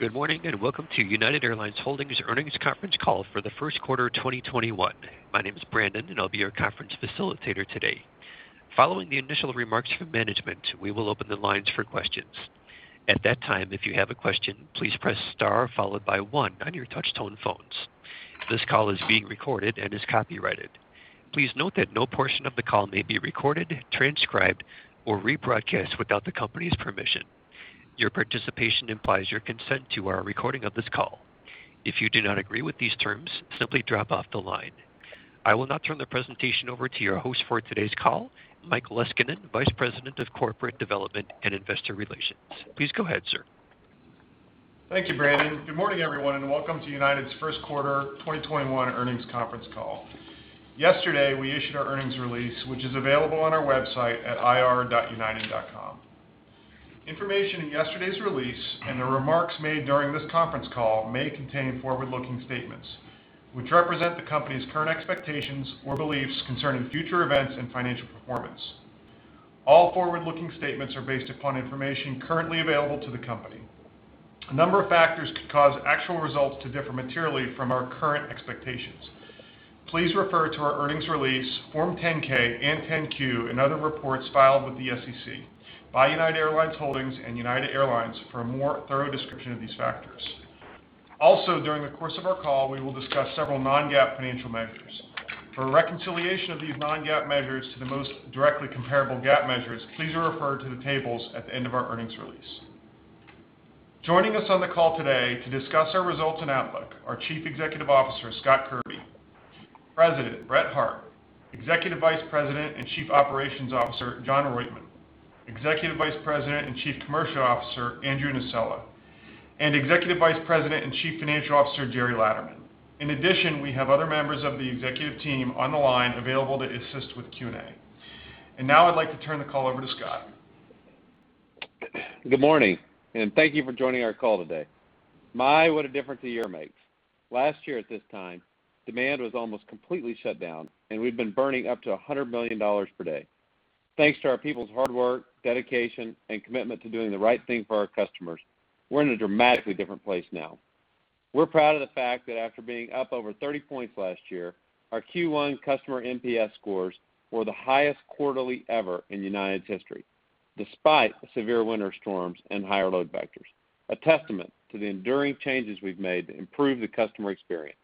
Good morning, and welcome to United Airlines Holdings Earnings Conference Call for the first quarter 2021. My name is Brandon, and I'll be your conference facilitator today. Following the initial remarks from management, we will open the lines for questions. At that time, if you have a question, please press star followed by one on your touch tone phones. This call is being recorded and is copyrighted. Please note that no portion of the call may be recorded, transcribed, or rebroadcast without the company's permission. Your participation implies your consent to our recording of this call. If you do not agree with these terms, simply drop off the line. I will now turn the presentation over to your host for today's call, Mike Leskinen, Vice President of Corporate Development and Investor Relations. Please go ahead, sir. Thank you, Brandon. Good morning, everyone, and welcome to United's first quarter 2021 earnings conference call. Yesterday, we issued our earnings release, which is available on our website at ir.united.com. Information in yesterday's release and the remarks made during this conference call may contain forward-looking statements which represent the company's current expectations or beliefs concerning future events and financial performance. All forward-looking statements are based upon information currently available to the company. A number of factors could cause actual results to differ materially from our current expectations. Please refer to our earnings release, Form 10-K and 10-Q and other reports filed with the SEC by United Airlines Holdings and United Airlines for a more thorough description of these factors. During the course of our call, we will discuss several non-GAAP financial measures. For a reconciliation of these non-GAAP measures to the most directly comparable GAAP measures, please refer to the tables at the end of our earnings release. Joining us on the call today to discuss our results and outlook are Chief Executive Officer Scott Kirby, President Brett Hart, Executive Vice President and Chief Operations Officer Jon Roitman, Executive Vice President and Chief Commercial Officer Andrew Nocella, and Executive Vice President and Chief Financial Officer Gerry Laderman. In addition, we have other members of the executive team on the line available to assist with Q&A. Now I'd like to turn the call over to Scott. Good morning, thank you for joining our call today. My, what a difference a year makes. Last year at this time, demand was almost completely shut down, and we'd been burning up to $100 million per day. Thanks to our people's hard work, dedication, and commitment to doing the right thing for our customers, we're in a dramatically different place now. We're proud of the fact that after being up over 30 points last year, our Q1 customer NPS scores were the highest quarterly ever in United's history, despite severe winter storms and higher load factors, a testament to the enduring changes we've made to improve the customer experience.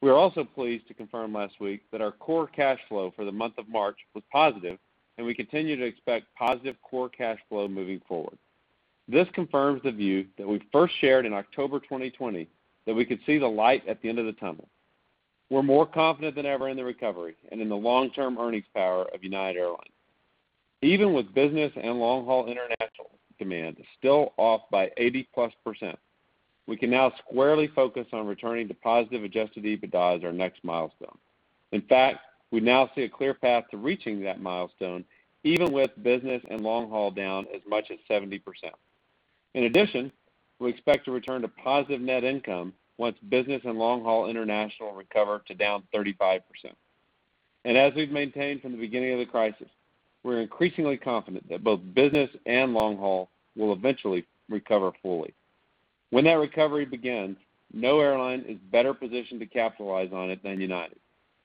We are also pleased to confirm last week that our core cash flow for the month of March was positive, and we continue to expect positive core cash flow moving forward. This confirms the view that we first shared in October 2020 that we could see the light at the end of the tunnel. We're more confident than ever in the recovery and in the long-term earnings power of United Airlines. Even with business and long-haul international demand still off by 80+%, we can now squarely focus on returning to positive adjusted EBITDA as our next milestone. In fact, we now see a clear path to reaching that milestone, even with business and long haul down as much as 70%. In addition, we expect to return to positive net income once business and long-haul international recover to down 35%. As we've maintained from the beginning of the crisis, we're increasingly confident that both business and long haul will eventually recover fully. When that recovery begins, no airline is better positioned to capitalize on it than United,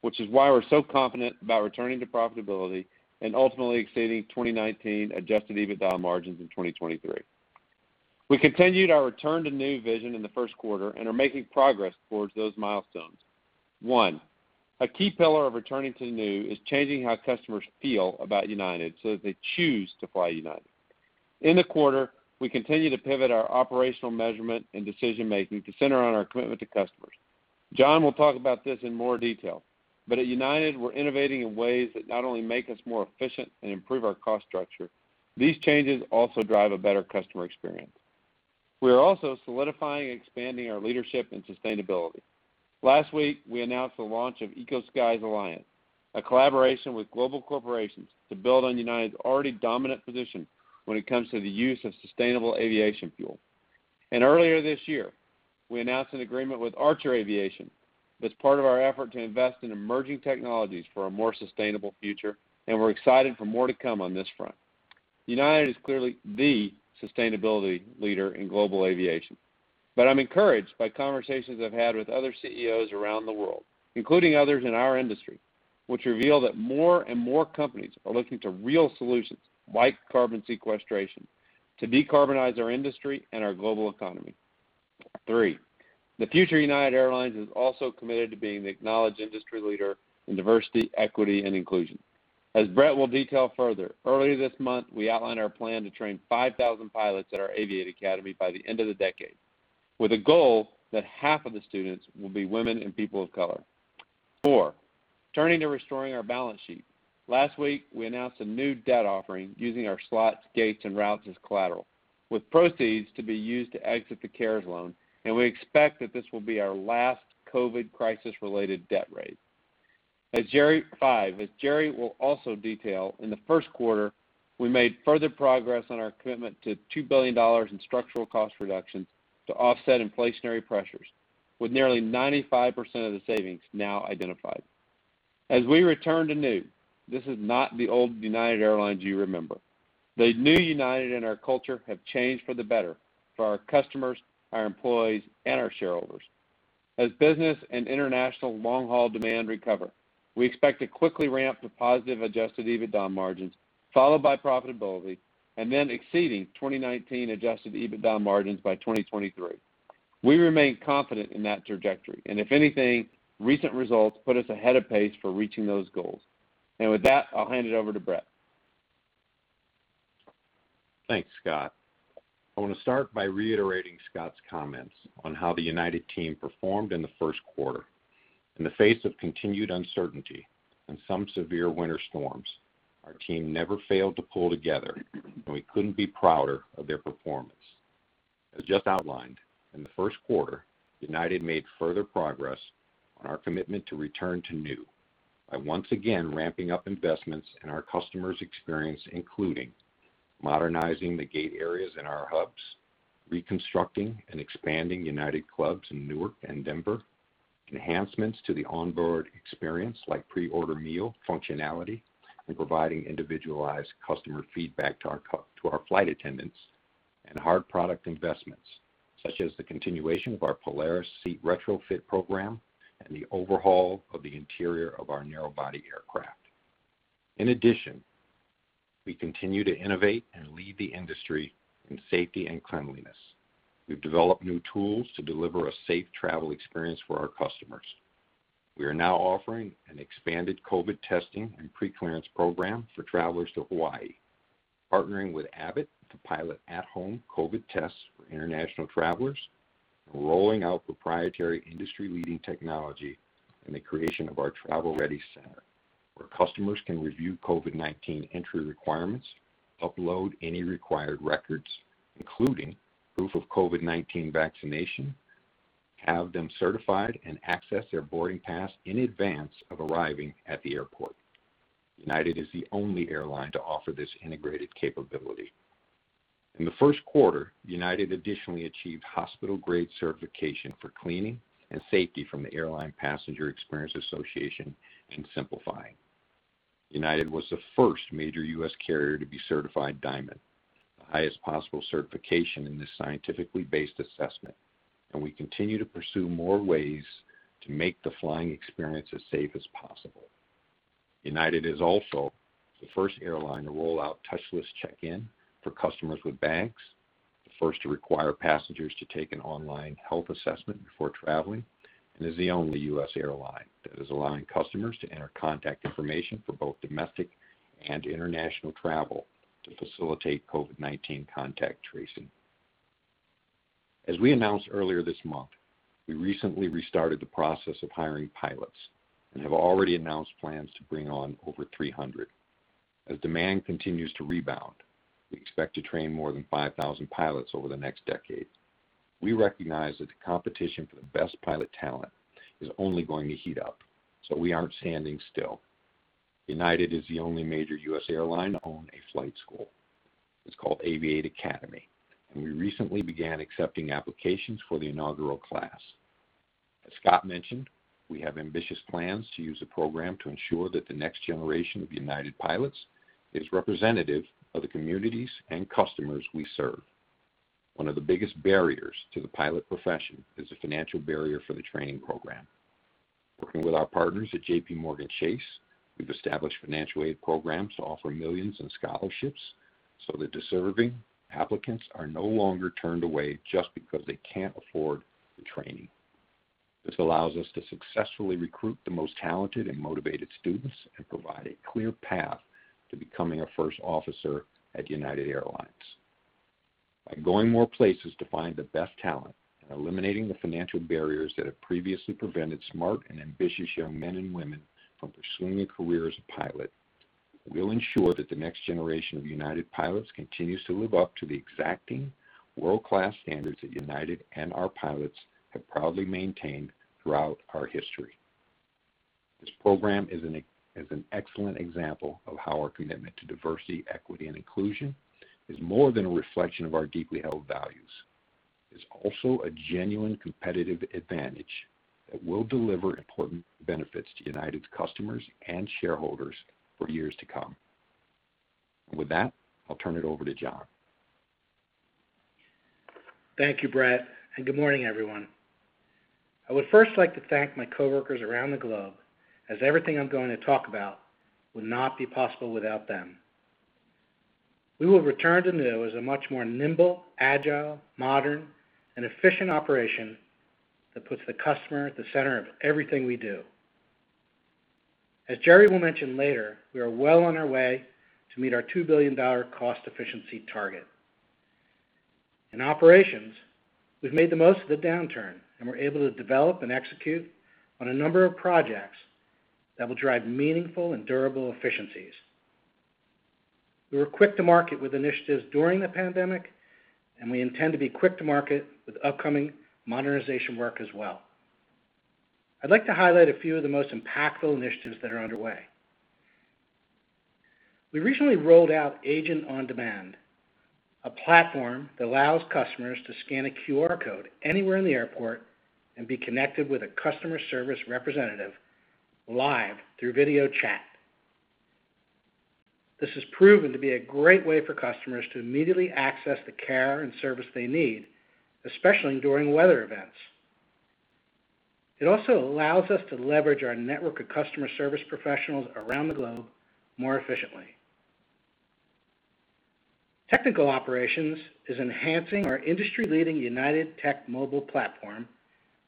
which is why we're so confident about returning to profitability and ultimately exceeding 2019 adjusted EBITDA margins in 2023. We continued our Return to New vision in the first quarter and are making progress towards those milestones. One, a key pillar of Returning to New is changing how customers feel about United so that they choose to fly United. In the quarter, we continued to pivot our operational measurement and decision-making to center on our commitment to customers. Jon will talk about this in more detail, but at United, we're innovating in ways that not only make us more efficient and improve our cost structure, these changes also drive a better customer experience. We are also solidifying and expanding our leadership in sustainability. Last week, we announced the launch of Eco-Skies Alliance, a collaboration with global corporations to build on United's already dominant position when it comes to the use of sustainable aviation fuel. Earlier this year, we announced an agreement with Archer Aviation as part of our effort to invest in emerging technologies for a more sustainable future, and we're excited for more to come on this front. United is clearly the sustainability leader in global aviation. I'm encouraged by conversations I've had with other CEOs around the world, including others in our industry, which reveal that more and more companies are looking to real solutions like carbon sequestration to decarbonize our industry and our global economy. Three, the future United Airlines is also committed to being the acknowledged industry leader in diversity, equity, and inclusion. As Brett will detail further, earlier this month, we outlined our plan to train 5,000 pilots at our Aviate Academy by the end of the decade, with a goal that half of the students will be women and people of color. Four, turning to restoring our balance sheet. Last week, we announced a new debt offering using our slots, gates, and routes as collateral, with proceeds to be used to exit the CARES loan, and we expect that this will be our last COVID crisis-related debt raise. Five, as Gerry will also detail, in the first quarter, we made further progress on our commitment to $2 billion in structural cost reductions to offset inflationary pressures, with nearly 95% of the savings now identified. As we Return to New, this is not the old United Airlines you remember. The new United and our culture have changed for the better for our customers, our employees, and our shareholders. As business and international long-haul demand recover, we expect to quickly ramp to positive adjusted EBITDA margins, followed by profitability, and then exceeding 2019 adjusted EBITDA margins by 2023. We remain confident in that trajectory. If anything, recent results put us ahead of pace for reaching those goals. With that, I'll hand it over to Brett. Thanks, Scott. I want to start by reiterating Scott's comments on how the United team performed in the first quarter. In the face of continued uncertainty and some severe winter storms, our team never failed to pull together, and we couldn't be prouder of their performance. As just outlined, in the first quarter, United made further progress on our commitment to Return to New by once again ramping up investments in our customer's experience, including modernizing the gate areas in our hubs, reconstructing and expanding United Clubs in Newark and Denver, enhancements to the onboard experience like pre-order meal functionality, and providing individualized customer feedback to our flight attendants, and hard product investments, such as the continuation of our Polaris seat retrofit program and the overhaul of the interior of our narrow-body aircraft. In addition, we continue to innovate and lead the industry in safety and cleanliness. We've developed new tools to deliver a safe travel experience for our customers. We are now offering an expanded COVID testing and pre-clearance program for travelers to Hawaii, partnering with Abbott to pilot at-home COVID tests for international travelers, and rolling out proprietary industry-leading technology in the creation of our Travel-Ready Center, where customers can review COVID-19 entry requirements, upload any required records, including proof of COVID-19 vaccination, have them certified, and access their boarding pass in advance of arriving at the airport. United is the only airline to offer this integrated capability. In the first quarter, United additionally achieved hospital-grade certification for cleaning and safety from the Airline Passenger Experience Association and SimpliFlying. United was the first major U.S. carrier to be certified Diamond, the highest possible certification in this scientifically based assessment. We continue to pursue more ways to make the flying experience as safe as possible. United is also the first airline to roll out touchless check-in for customers with bags, the first to require passengers to take an online health assessment before traveling. It is the only U.S. airline that is allowing customers to enter contact information for both domestic and international travel to facilitate COVID-19 contact tracing. As we announced earlier this month, we recently restarted the process of hiring pilots. We have already announced plans to bring on over 300. As demand continues to rebound, we expect to train more than 5,000 pilots over the next decade. We recognize that the competition for the best pilot talent is only going to heat up, so we aren't standing still. United is the only major U.S. airline to own a flight school. It's called Aviate Academy, and we recently began accepting applications for the inaugural class. As Scott mentioned, we have ambitious plans to use the program to ensure that the next generation of United pilots is representative of the communities and customers we serve. One of the biggest barriers to the pilot profession is the financial barrier for the training program. Working with our partners at JPMorgan Chase, we've established financial aid programs to offer millions in scholarships so that deserving applicants are no longer turned away just because they can't afford the training. This allows us to successfully recruit the most talented and motivated students and provide a clear path to becoming a first officer at United Airlines. By going more places to find the best talent and eliminating the financial barriers that have previously prevented smart and ambitious young men and women from pursuing a career as a pilot, we will ensure that the next generation of United pilots continues to live up to the exacting world-class standards that United and our pilots have proudly maintained throughout our history. This program is an excellent example of how our commitment to diversity, equity, and inclusion is more than a reflection of our deeply held values. It is also a genuine competitive advantage that will deliver important benefits to United's customers and shareholders for years to come. With that, I'll turn it over to Jon. Thank you, Brett, and good morning, everyone. I would first like to thank my coworkers around the globe, as everything I'm going to talk about would not be possible without them. We will Return to New as a much more nimble, agile, modern, and efficient operation that puts the customer at the center of everything we do. As Gerry will mention later, we are well on our way to meet our $2 billion cost efficiency target. In operations, we've made the most of the downturn, and we're able to develop and execute on a number of projects that will drive meaningful and durable efficiencies. We were quick to market with initiatives during the pandemic, and we intend to be quick to market with upcoming modernization work as well. I'd like to highlight a few of the most impactful initiatives that are underway. We recently rolled out Agent on Demand, a platform that allows customers to scan a QR code anywhere in the airport and be connected with a customer service representative live through video chat. This has proven to be a great way for customers to immediately access the care and service they need, especially during weather events. It also allows us to leverage our network of customer service professionals around the globe more efficiently. Technical operations is enhancing our industry-leading United Tech mobile platform,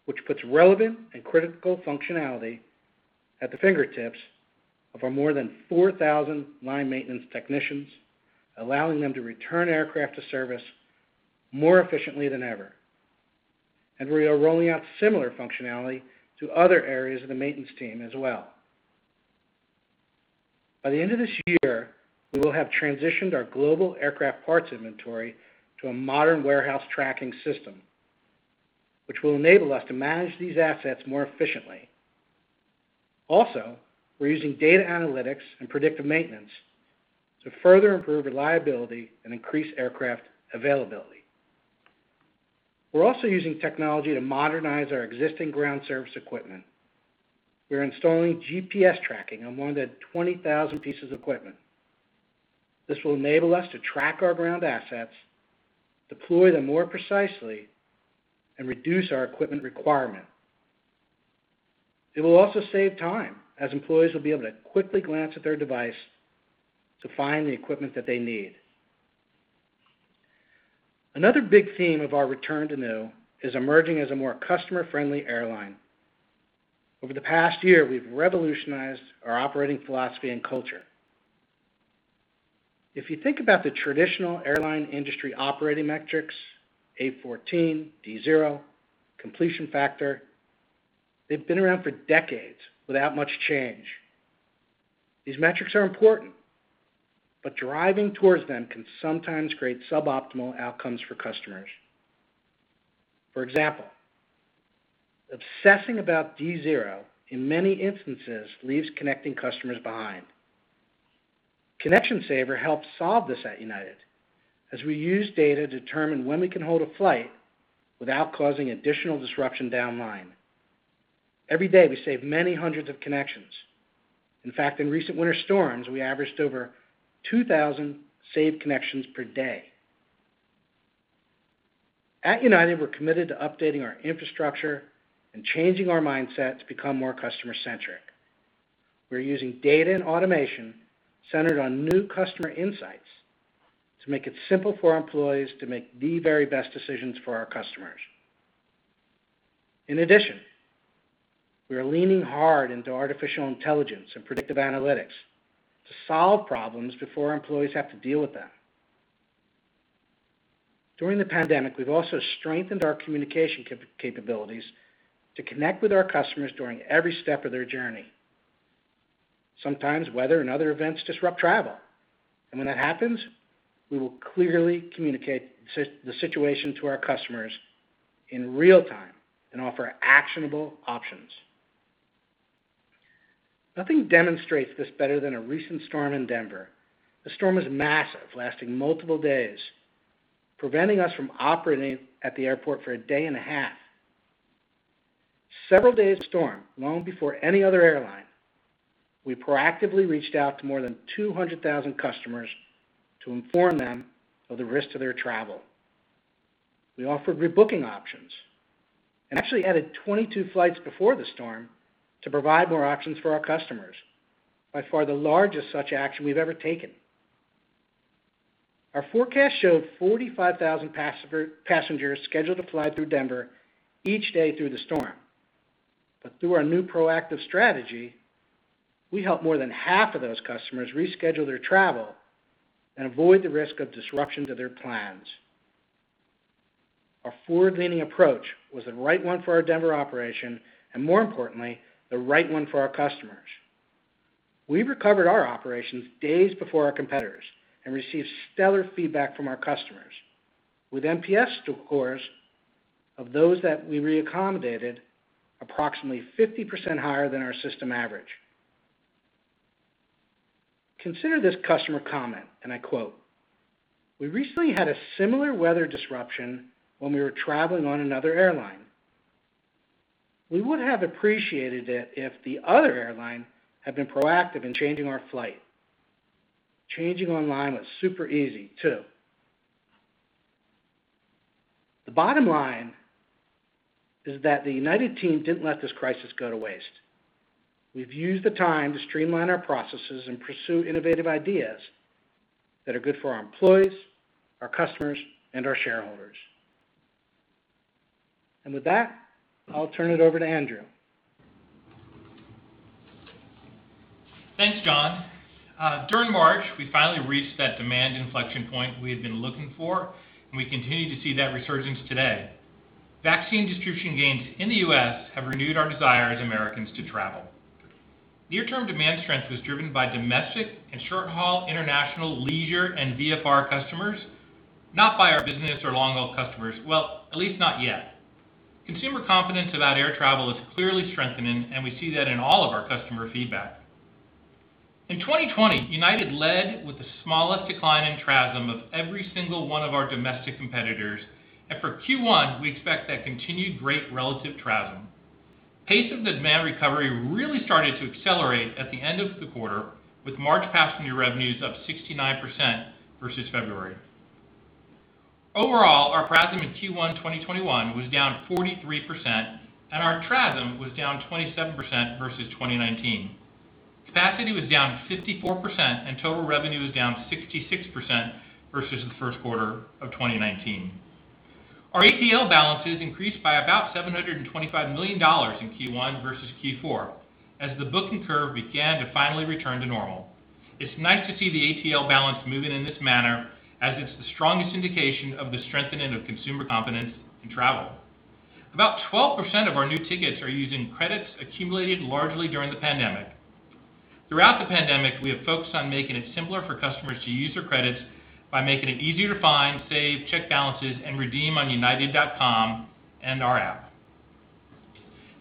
which puts relevant and critical functionality at the fingertips of our more than 4,000 line maintenance technicians, allowing them to return aircraft to service more efficiently than ever. We are rolling out similar functionality to other areas of the maintenance team as well. By the end of this year, we will have transitioned our global aircraft parts inventory to a modern warehouse tracking system, which will enable us to manage these assets more efficiently. We're using data analytics and predictive maintenance to further improve reliability and increase aircraft availability. We're also using technology to modernize our existing ground service equipment. We are installing GPS tracking on more than 20,000 pieces of equipment. This will enable us to track our ground assets, deploy them more precisely, and reduce our equipment requirement. It will also save time, as employees will be able to quickly glance at their device to find the equipment that they need. Another big theme of our Return to New is emerging as a more customer-friendly airline. Over the past year, we've revolutionized our operating philosophy and culture. If you think about the traditional airline industry operating metrics, A14, D0, completion factor, they've been around for decades without much change. These metrics are important, but driving towards them can sometimes create suboptimal outcomes for customers. For example, obsessing about D0 in many instances leaves connecting customers behind. ConnectionSaver helps solve this at United, as we use data to determine when we can hold a flight without causing additional disruption downline. Every day, we save many hundreds of connections. In fact, in recent winter storms, we averaged over 2,000 saved connections per day. At United, we're committed to updating our infrastructure and changing our mindset to become more customer-centric. We're using data and automation centered on new customer insights to make it simple for our employees to make the very best decisions for our customers. In addition, we are leaning hard into artificial intelligence and predictive analytics to solve problems before employees have to deal with them. During the pandemic, we've also strengthened our communication capabilities to connect with our customers during every step of their journey. Sometimes weather and other events disrupt travel, and when that happens, we will clearly communicate the situation to our customers in real time and offer actionable options. Nothing demonstrates this better than a recent storm in Denver. The storm was massive, lasting multiple days, preventing us from operating at the airport for a day and a half. Several days into the storm, long before any other airline, we proactively reached out to more than 200,000 customers to inform them of the risk to their travel. We offered rebooking options and actually added 22 flights before the storm to provide more options for our customers. By far the largest such action we've ever taken. Our forecast showed 45,000 passengers scheduled to fly through Denver each day through the storm. Through our new proactive strategy, we helped more than half of those customers reschedule their travel and avoid the risk of disruptions of their plans. Our forward-leaning approach was the right one for our Denver operation and, more importantly, the right one for our customers. We recovered our operations days before our competitors and received stellar feedback from our customers. With NPS scores of those that we reaccommodated approximately 50% higher than our system average. Consider this customer comment, and I quote, "We recently had a similar weather disruption when we were traveling on another airline. We would have appreciated it if the other airline had been proactive in changing our flight. Changing online was super easy, too." The bottom line is that the United team didn't let this crisis go to waste. We've used the time to streamline our processes and pursue innovative ideas that are good for our employees, our customers, and our shareholders. With that, I'll turn it over to Andrew. Thanks, Jon. During March, we finally reached that demand inflection point we had been looking for, and we continue to see that resurgence today. Vaccine distribution gains in the US have renewed our desire as Americans to travel. Near-term demand strength was driven by domestic and short-haul international leisure and VFR customers, not by our business or long-haul customers. Well, at least not yet. Consumer confidence about air travel is clearly strengthening, and we see that in all of our customer feedback. In 2020, United led with the smallest decline in TRASM of every single one of our domestic competitors. For Q1, we expect that continued great relative TRASM. Pace of demand recovery really started to accelerate at the end of the quarter, with March passenger revenues up 69% versus February. Overall, our PRASM in Q1 2021 was down 43%, and our TRASM was down 27% versus 2019. Capacity was down 54%, and total revenue was down 66% versus the first quarter of 2019. Our ATL balances increased by about $725 million in Q1 versus Q4, as the booking curve began to finally return to normal. It's nice to see the ATL balance moving in this manner, as it's the strongest indication of the strengthening of consumer confidence in travel. About 12% of our new tickets are using credits accumulated largely during the pandemic. Throughout the pandemic, we have focused on making it simpler for customers to use their credits by making it easier to find, save, check balances, and redeem on united.com and our app.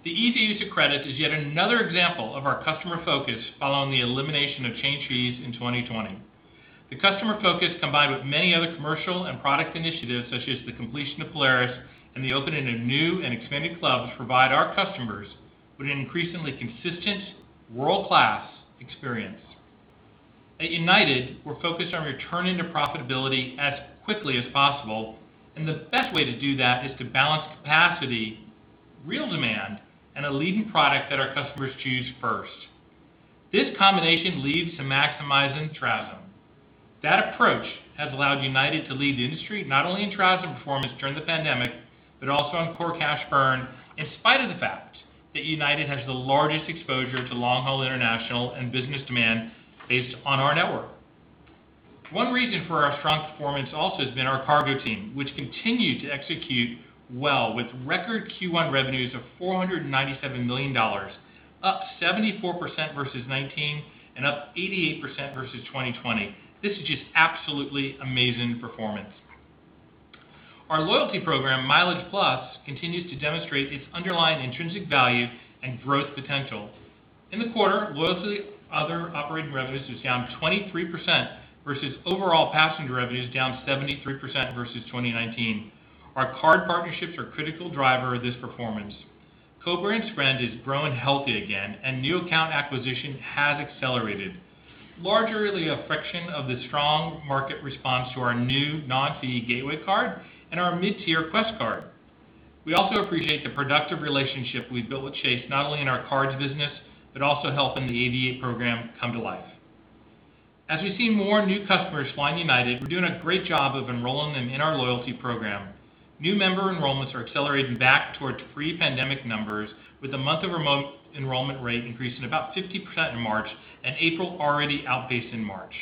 The ease of use of credits is yet another example of our customer focus following the elimination of change fees in 2020. The customer focus, combined with many other commercial and product initiatives such as the completion of United Polaris and the opening of new and expanded clubs, provide our customers with an increasingly consistent, world-class experience. At United, we're focused on returning to profitability as quickly as possible, and the best way to do that is to balance capacity, real demand, and a leading product that our customers choose first. This combination leads to maximizing TRASM. That approach has allowed United to lead the industry, not only in TRASM performance during the pandemic, but also on core cash burn, in spite of the fact that United has the largest exposure to long-haul international and business demand based on our network. One reason for our strong performance also has been our cargo team, which continued to execute well with record Q1 revenues of $497 million, up 74% versus 2019, and up 88% versus 2020. This is just absolutely amazing performance. Our loyalty program, MileagePlus, continues to demonstrate its underlying intrinsic value and growth potential. In the quarter, loyalty other operating revenues was down 23% versus overall passenger revenues down 73% versus 2019. Our card partnerships are a critical driver of this performance. Co-brand spend has grown healthy again, new account acquisition has accelerated, largely a function of the strong market response to our new non-fee Gateway Card and our mid-tier Quest Card. We also appreciate the productive relationship we've built with Chase, not only in our cards business, but also helping the Aviate program come to life. As we see more new customers flying United, we're doing a great job of enrolling them in our loyalty program. New member enrollments are accelerating back towards pre-pandemic numbers, with the month-over-month enrollment rate increasing about 50% in March, and April already outpaced in March.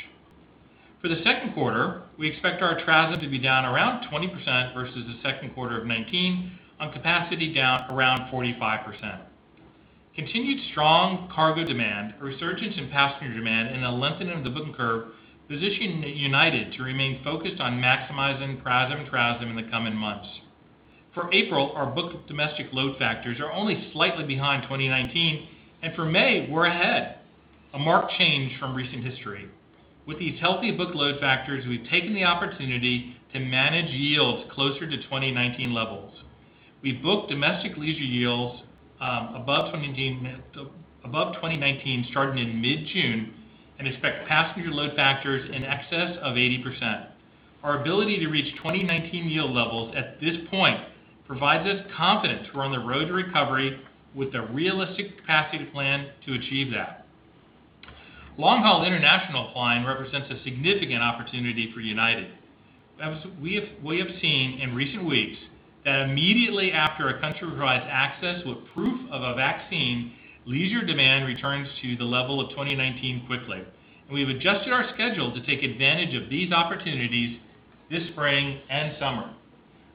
For the second quarter, we expect our TRASM to be down around 20% versus the second quarter of 2019 on capacity down around 45%. Continued strong cargo demand, a resurgence in passenger demand, and a lengthening of the booking curve position United to remain focused on maximizing PRASM and TRASM in the coming months. For April, our booked domestic load factors are only slightly behind 2019, and for May, we're ahead, a marked change from recent history. With these healthy booked load factors, we've taken the opportunity to manage yields closer to 2019 levels. We've booked domestic leisure yields above 2019 starting in mid-June and expect passenger load factors in excess of 80%. Our ability to reach 2019 yield levels at this point provides us confidence we're on the road to recovery with a realistic capacity plan to achieve that. Long-haul international flying represents a significant opportunity for United. We have seen in recent weeks that immediately after a country provides access with proof of a vaccine, leisure demand returns to the level of 2019 quickly, and we've adjusted our schedule to take advantage of these opportunities this spring and summer.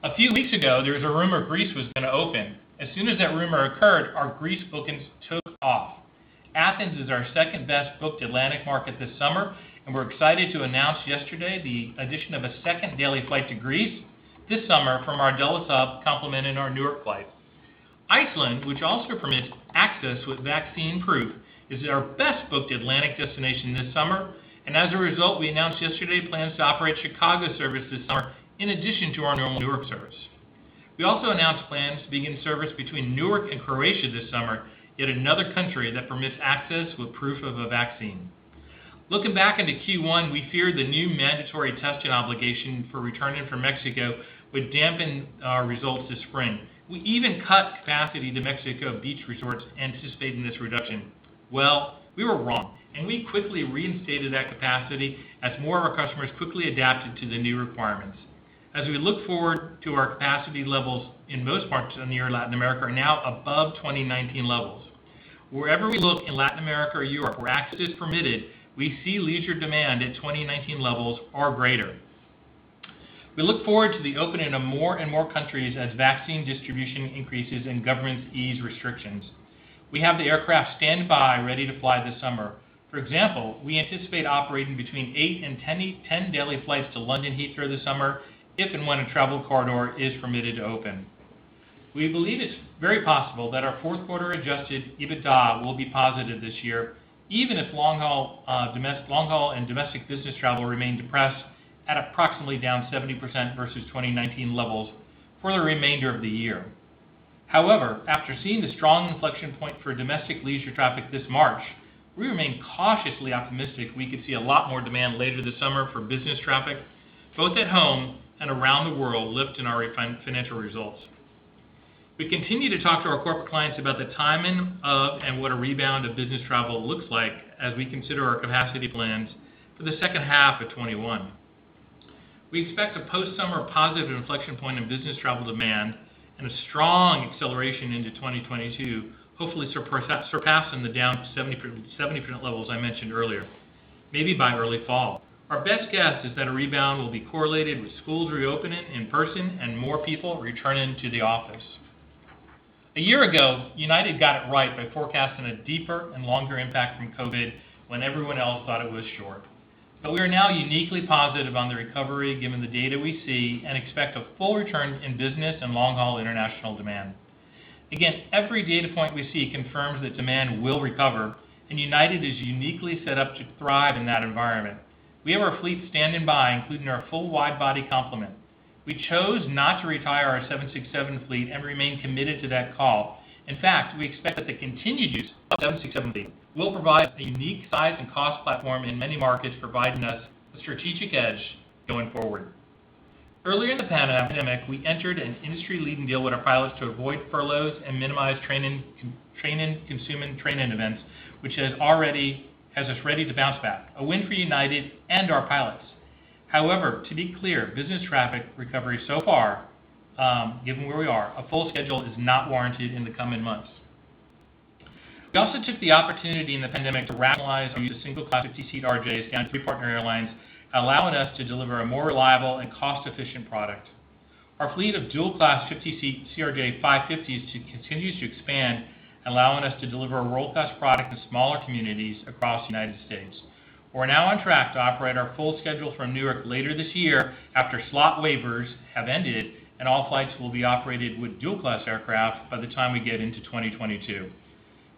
A few weeks ago, there was a rumor Greece was going to open. As soon as that rumor occurred, our Greece bookings took off. Athens is our second-best-booked Atlantic market this summer, and we're excited to announce yesterday the addition of a second daily flight to Greece this summer from our Dulles hub complementing our Newark flights. Iceland, which also permits access with vaccine proof, is our best-booked Atlantic destination this summer, and as a result, we announced yesterday plans to operate Chicago service this summer in addition to our normal Newark service. We also announced plans to begin service between Newark and Croatia this summer, yet another country that permits access with proof of a vaccine. Looking back into Q1, we feared the new mandatory testing obligation for returning from Mexico would dampen our results this spring. We even cut capacity to Mexico beach resorts anticipating this reduction. Well, we were wrong, and we quickly reinstated that capacity as more of our customers quickly adapted to the new requirements. As we look forward to our capacity levels in most parts of Latin America are now above 2019 levels. Wherever we look in Latin America or Europe where access is permitted, we see leisure demand at 2019 levels or greater. We look forward to the opening of more and more countries as vaccine distribution increases and governments ease restrictions. We have the aircraft standby ready to fly this summer. For example, we anticipate operating between eight and 10 daily flights to London Heathrow this summer if and when a travel corridor is permitted to open. We believe it's very possible that our fourth quarter adjusted EBITDA will be positive this year, even if long-haul and domestic business travel remain depressed at approximately down 70% versus 2019 levels for the remainder of the year. However, after seeing the strong inflection point for domestic leisure traffic this March, we remain cautiously optimistic we could see a lot more demand later this summer for business traffic, both at home and around the world, lift in our financial results. We continue to talk to our corporate clients about the timing of and what a rebound of business travel looks like as we consider our capacity plans for the second half of 2021. We expect a post-summer positive inflection point in business travel demand and a strong acceleration into 2022, hopefully surpassing the down 70% levels I mentioned earlier, maybe by early fall. Our best guess is that a rebound will be correlated with schools reopening in person and more people returning to the office. A year ago, United got it right by forecasting a deeper and longer impact from COVID when everyone else thought it was short. We are now uniquely positive on the recovery given the data we see and expect a full return in business and long-haul international demand. Again, every data point we see confirms that demand will recover, and United is uniquely set up to thrive in that environment. We have our fleet standing by, including our full wide-body complement. We chose not to retire our 767 fleet and remain committed to that call. In fact, we expect that the continued use of our 767 fleet will provide us a unique size and cost platform in many markets, providing us a strategic edge going forward. Early in the pandemic, we entered an industry-leading deal with our pilots to avoid furloughs and minimize training, consuming training events, which has us ready to bounce back. A win for United and our pilots. To be clear, business traffic recovery so far, given where we are, a full schedule is not warranted in the coming months. We also took the opportunity in the pandemic to rationalize our use of single-class 50-seat CRJs down to three partner airlines, allowing us to deliver a more reliable and cost-efficient product. Our fleet of dual-class 50-seat CRJ-550s continues to expand, allowing us to deliver a world-class product to smaller communities across the United States. We're now on track to operate our full schedule from New York later this year after slot waivers have ended. All flights will be operated with dual-class aircraft by the time we get into 2022.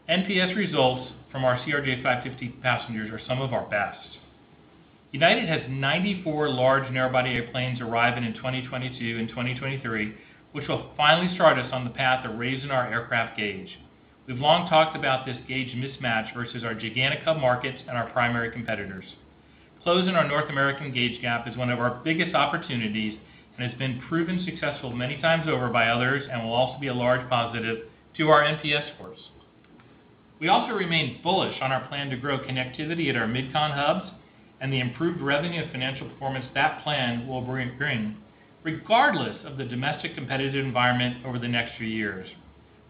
NPS results from our CRJ-550 passengers are some of our best. United has 94 large narrow-body airplanes arriving in 2022 and 2023, which will finally start us on the path of raising our aircraft gauge. We've long talked about this gauge mismatch versus our giganta hub markets and our primary competitors. Closing our North American gauge gap is one of our biggest opportunities and has been proven successful many times over by others and will also be a large positive to our NPS scores. We also remain bullish on our plan to grow connectivity at our mid-con hubs and the improved revenue and financial performance that plan will bring, regardless of the domestic competitive environment over the next few years.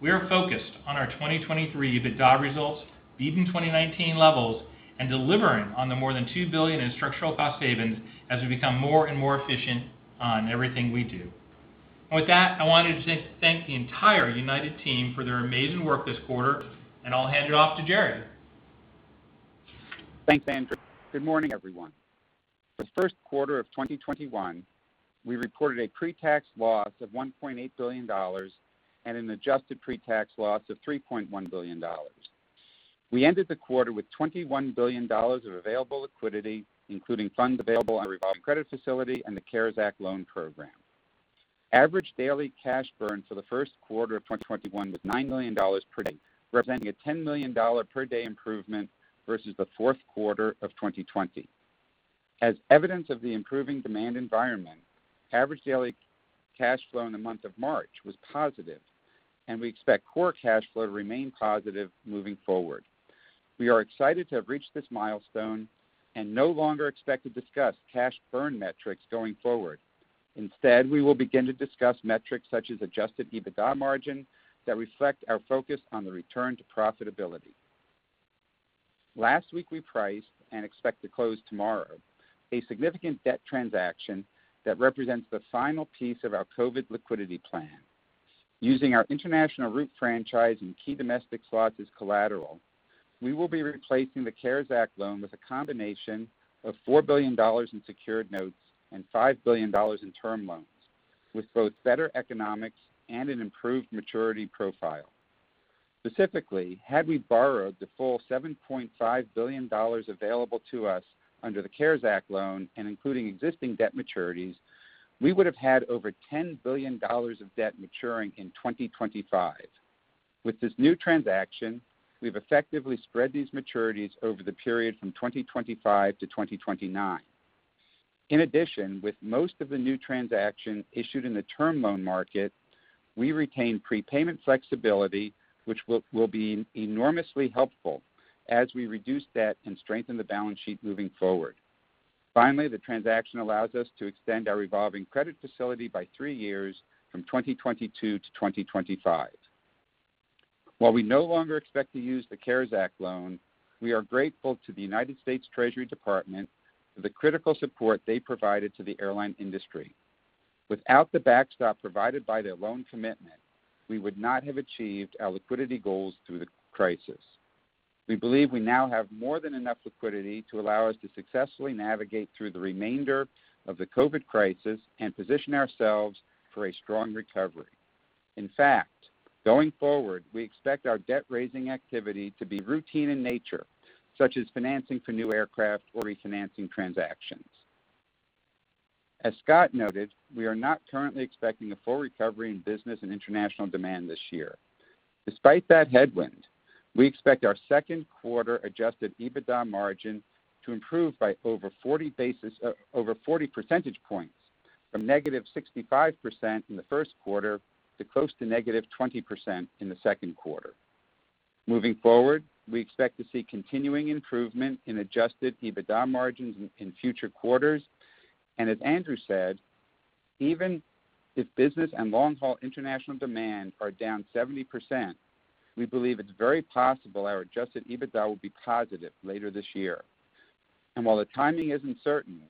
We are focused on our 2023 EBITDA results beating 2019 levels and delivering on the more than $2 billion in structural cost savings as we become more and more efficient on everything we do. With that, I want to thank the entire United team for their amazing work this quarter, and I'll hand it off to Gerry. Thanks, Andrew. Good morning, everyone. For the first quarter of 2021, we reported a pre-tax loss of $1.8 billion and an adjusted pre-tax loss of $3.1 billion. We ended the quarter with $21 billion of available liquidity, including funds available on our revolving credit facility and the CARES Act loan program. Average daily cash burn for the first quarter of 2021 was $9 million per day, representing a $10 million per day improvement versus the fourth quarter of 2020. As evidence of the improving demand environment, average daily cash flow in the month of March was positive, and we expect core cash flow to remain positive moving forward. We are excited to have reached this milestone and no longer expect to discuss cash burn metrics going forward. Instead, we will begin to discuss metrics such as adjusted EBITDA margin that reflect our focus on the return to profitability. Last week, we priced and expect to close tomorrow a significant debt transaction that represents the final piece of our COVID liquidity plan. Using our international route franchise and key domestic slots as collateral, we will be replacing the CARES Act loan with a combination of $4 billion in secured notes and $5 billion in term loans, with both better economics and an improved maturity profile. Specifically, had we borrowed the full $7.5 billion available to us under the CARES Act loan and including existing debt maturities, we would have had over $10 billion of debt maturing in 2025. With this new transaction, we've effectively spread these maturities over the period from 2025 to 2029. In addition, with most of the new transaction issued in the term loan market, we retain prepayment flexibility, which will be enormously helpful as we reduce debt and strengthen the balance sheet moving forward. Finally, the transaction allows us to extend our revolving credit facility by three years from 2022 to 2025. While we no longer expect to use the CARES Act loan, we are grateful to the United States Treasury Department for the critical support they provided to the airline industry. Without the backstop provided by their loan commitment, we would not have achieved our liquidity goals through the crisis. We believe we now have more than enough liquidity to allow us to successfully navigate through the remainder of the COVID crisis and position ourselves for a strong recovery. In fact, going forward, we expect our debt-raising activity to be routine in nature, such as financing for new aircraft or refinancing transactions. As Scott noted, we are not currently expecting a full recovery in business and international demand this year. Despite that headwind, we expect our second quarter adjusted EBITDA margin to improve by over 40 percentage points, from -65% in the first quarter to close to -20% in the second quarter. Moving forward, we expect to see continuing improvement in adjusted EBITDA margins in future quarters. As Andrew said, even if business and long-haul international demand are down 70%, we believe it's very possible our adjusted EBITDA will be positive later this year. While the timing isn't certain,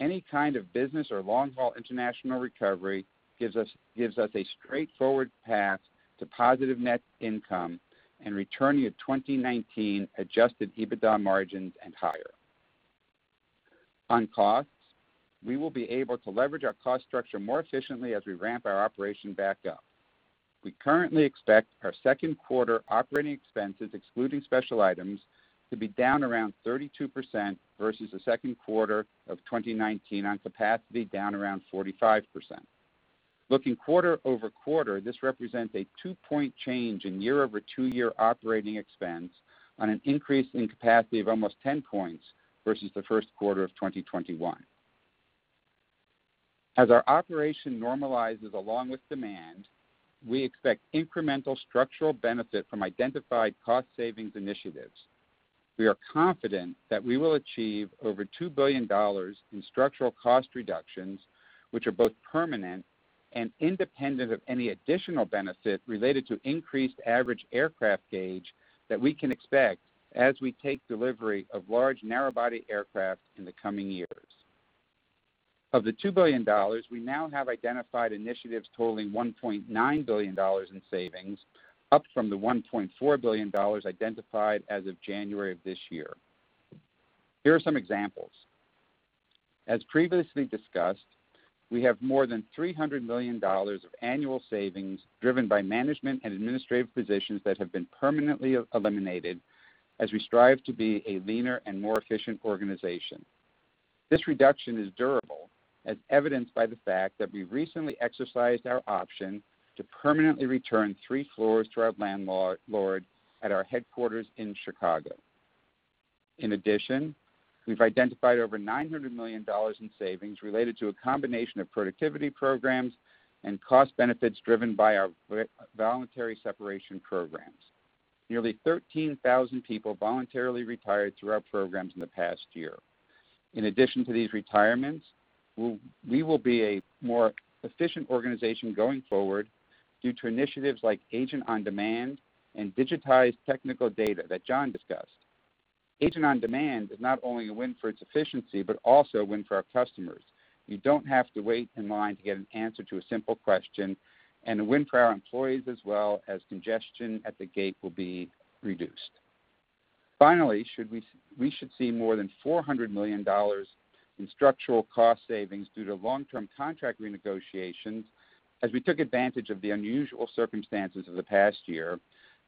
any kind of business or long-haul international recovery gives us a straightforward path to positive net income and returning to 2019 adjusted EBITDA margins and higher. On costs, we will be able to leverage our cost structure more efficiently as we ramp our operation back up. We currently expect our second quarter operating expenses, excluding special items, to be down around 32% versus the second quarter of 2019 on capacity down around 45%. Looking quarter-over-quarter, this represents a two-point change in year-over-two-year operating expense on an increase in capacity of almost 10 points versus the first quarter of 2021. As our operation normalizes along with demand, we expect incremental structural benefit from identified cost savings initiatives. We are confident that we will achieve over $2 billion in structural cost reductions, which are both permanent and independent of any additional benefit related to increased average aircraft gauge that we can expect as we take delivery of large narrow-body aircraft in the coming years. Of the $2 billion, we now have identified initiatives totaling $1.9 billion in savings, up from the $1.4 billion identified as of January of this year. Here are some examples. Previously discussed, we have more than $300 million of annual savings driven by management and administrative positions that have been permanently eliminated as we strive to be a leaner and more efficient organization. This reduction is durable, as evidenced by the fact that we recently exercised our option to permanently return three floors to our landlord at our headquarters in Chicago. We've identified over $900 million in savings related to a combination of productivity programs and cost benefits driven by our voluntary separation programs. Nearly 13,000 people voluntarily retired through our programs in the past year. These retirements, we will be a more efficient organization going forward due to initiatives like Agent on Demand and digitized technical data that Jon discussed. Agent on Demand is not only a win for its efficiency but also a win for our customers, who don't have to wait in line to get an answer to a simple question, and a win for our employees as well, as congestion at the gate will be reduced. Finally, we should see more than $400 million in structural cost savings due to long-term contract renegotiations as we took advantage of the unusual circumstances of the past year,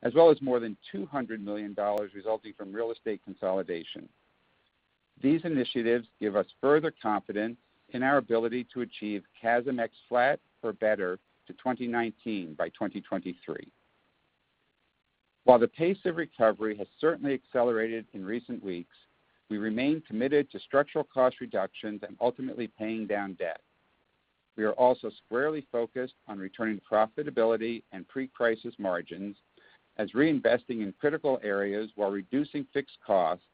as well as more than $200 million resulting from real estate consolidation. These initiatives give us further confidence in our ability to achieve CASM-ex flat or better to 2019 by 2023. While the pace of recovery has certainly accelerated in recent weeks, we remain committed to structural cost reductions and ultimately paying down debt. We are also squarely focused on returning profitability and pre-crisis margins as reinvesting in critical areas while reducing fixed costs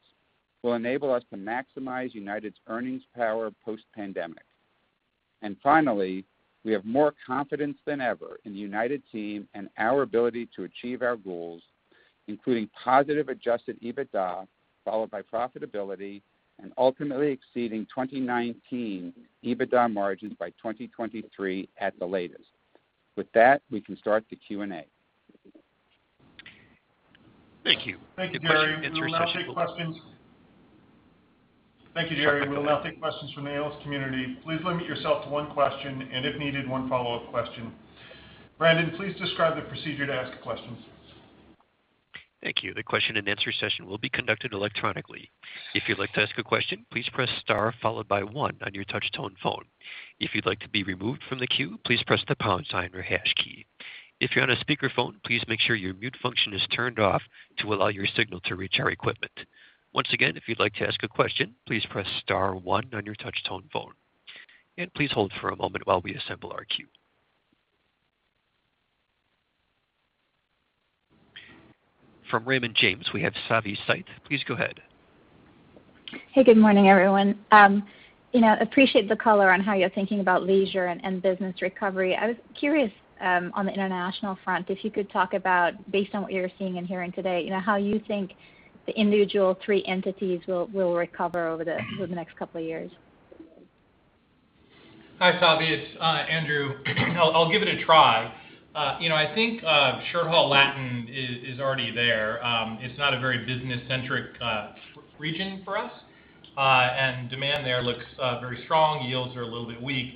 will enable us to maximize United's earnings power post-pandemic. Finally, we have more confidence than ever in the United team and our ability to achieve our goals, including positive adjusted EBITDA followed by profitability and ultimately exceeding 2019 EBITDA margins by 2023 at the latest. With that, we can start the Q&A. Thank you. Thank you, Gerry. We will now take questions. Thank you, Gerry. We will now take questions from the analyst community. Please limit yourself to one question and, if needed, one follow-up question. Brandon, please describe the procedure to ask a question. Thank you. The question and answer session will be conducted electronically. If you'd like to ask a question, please press star followed by one on your touch tone phone. If you'd like to be remove from the queue, please press the pound sign or harsh key. If you're on the speaker phone, please make sure you mute function is turn off to allow your signal to reach our equipment. Once again, if you'd like to ask a question, please press star one on your touch tone phone, and please hold for a moment while we assemble our queue. From Raymond James, we have Savanthi Syth. Please go ahead. Hey, good morning, everyone. Appreciate the color on how you're thinking about leisure and business recovery. I was curious, on the international front, if you could talk about, based on what you're seeing and hearing today, how you think the individual three entities will recover over the next couple of years. Hi, Savi. It's Andrew. I'll give it a try. I think Shorthaul Latin is already there. It's not a very business-centric region for us, and demand there looks very strong. Yields are a little bit weak,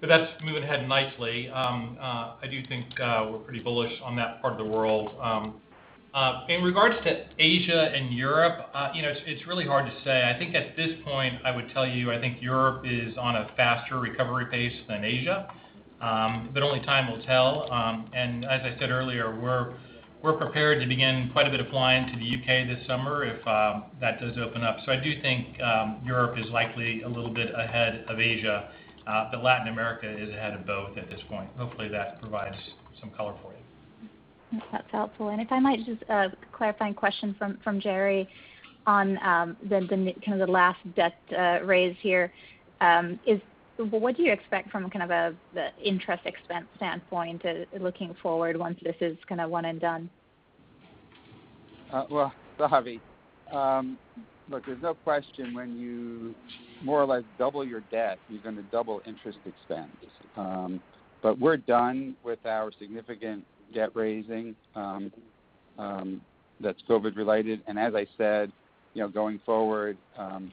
but that's moving ahead nicely. I do think we're pretty bullish on that part of the world. In regards to Asia and Europe, it's really hard to say. I think at this point, I would tell you, I think Europe is on a faster recovery pace than Asia, but only time will tell. As I said earlier, we're prepared to begin quite a bit of flying to the U.K. this summer if that does open up. I do think Europe is likely a little bit ahead of Asia. Latin America is ahead of both at this point. Hopefully, that provides some color for you. That's helpful. If I might, just a clarifying question from Gerry on the last debt raise here. What do you expect from the interest expense standpoint, looking forward once this is one and done? Well, Savi. Look, there's no question when you more or less double your debt, you're going to double interest expense. We're done with our significant debt raising that's COVID related, and as I said, going forward,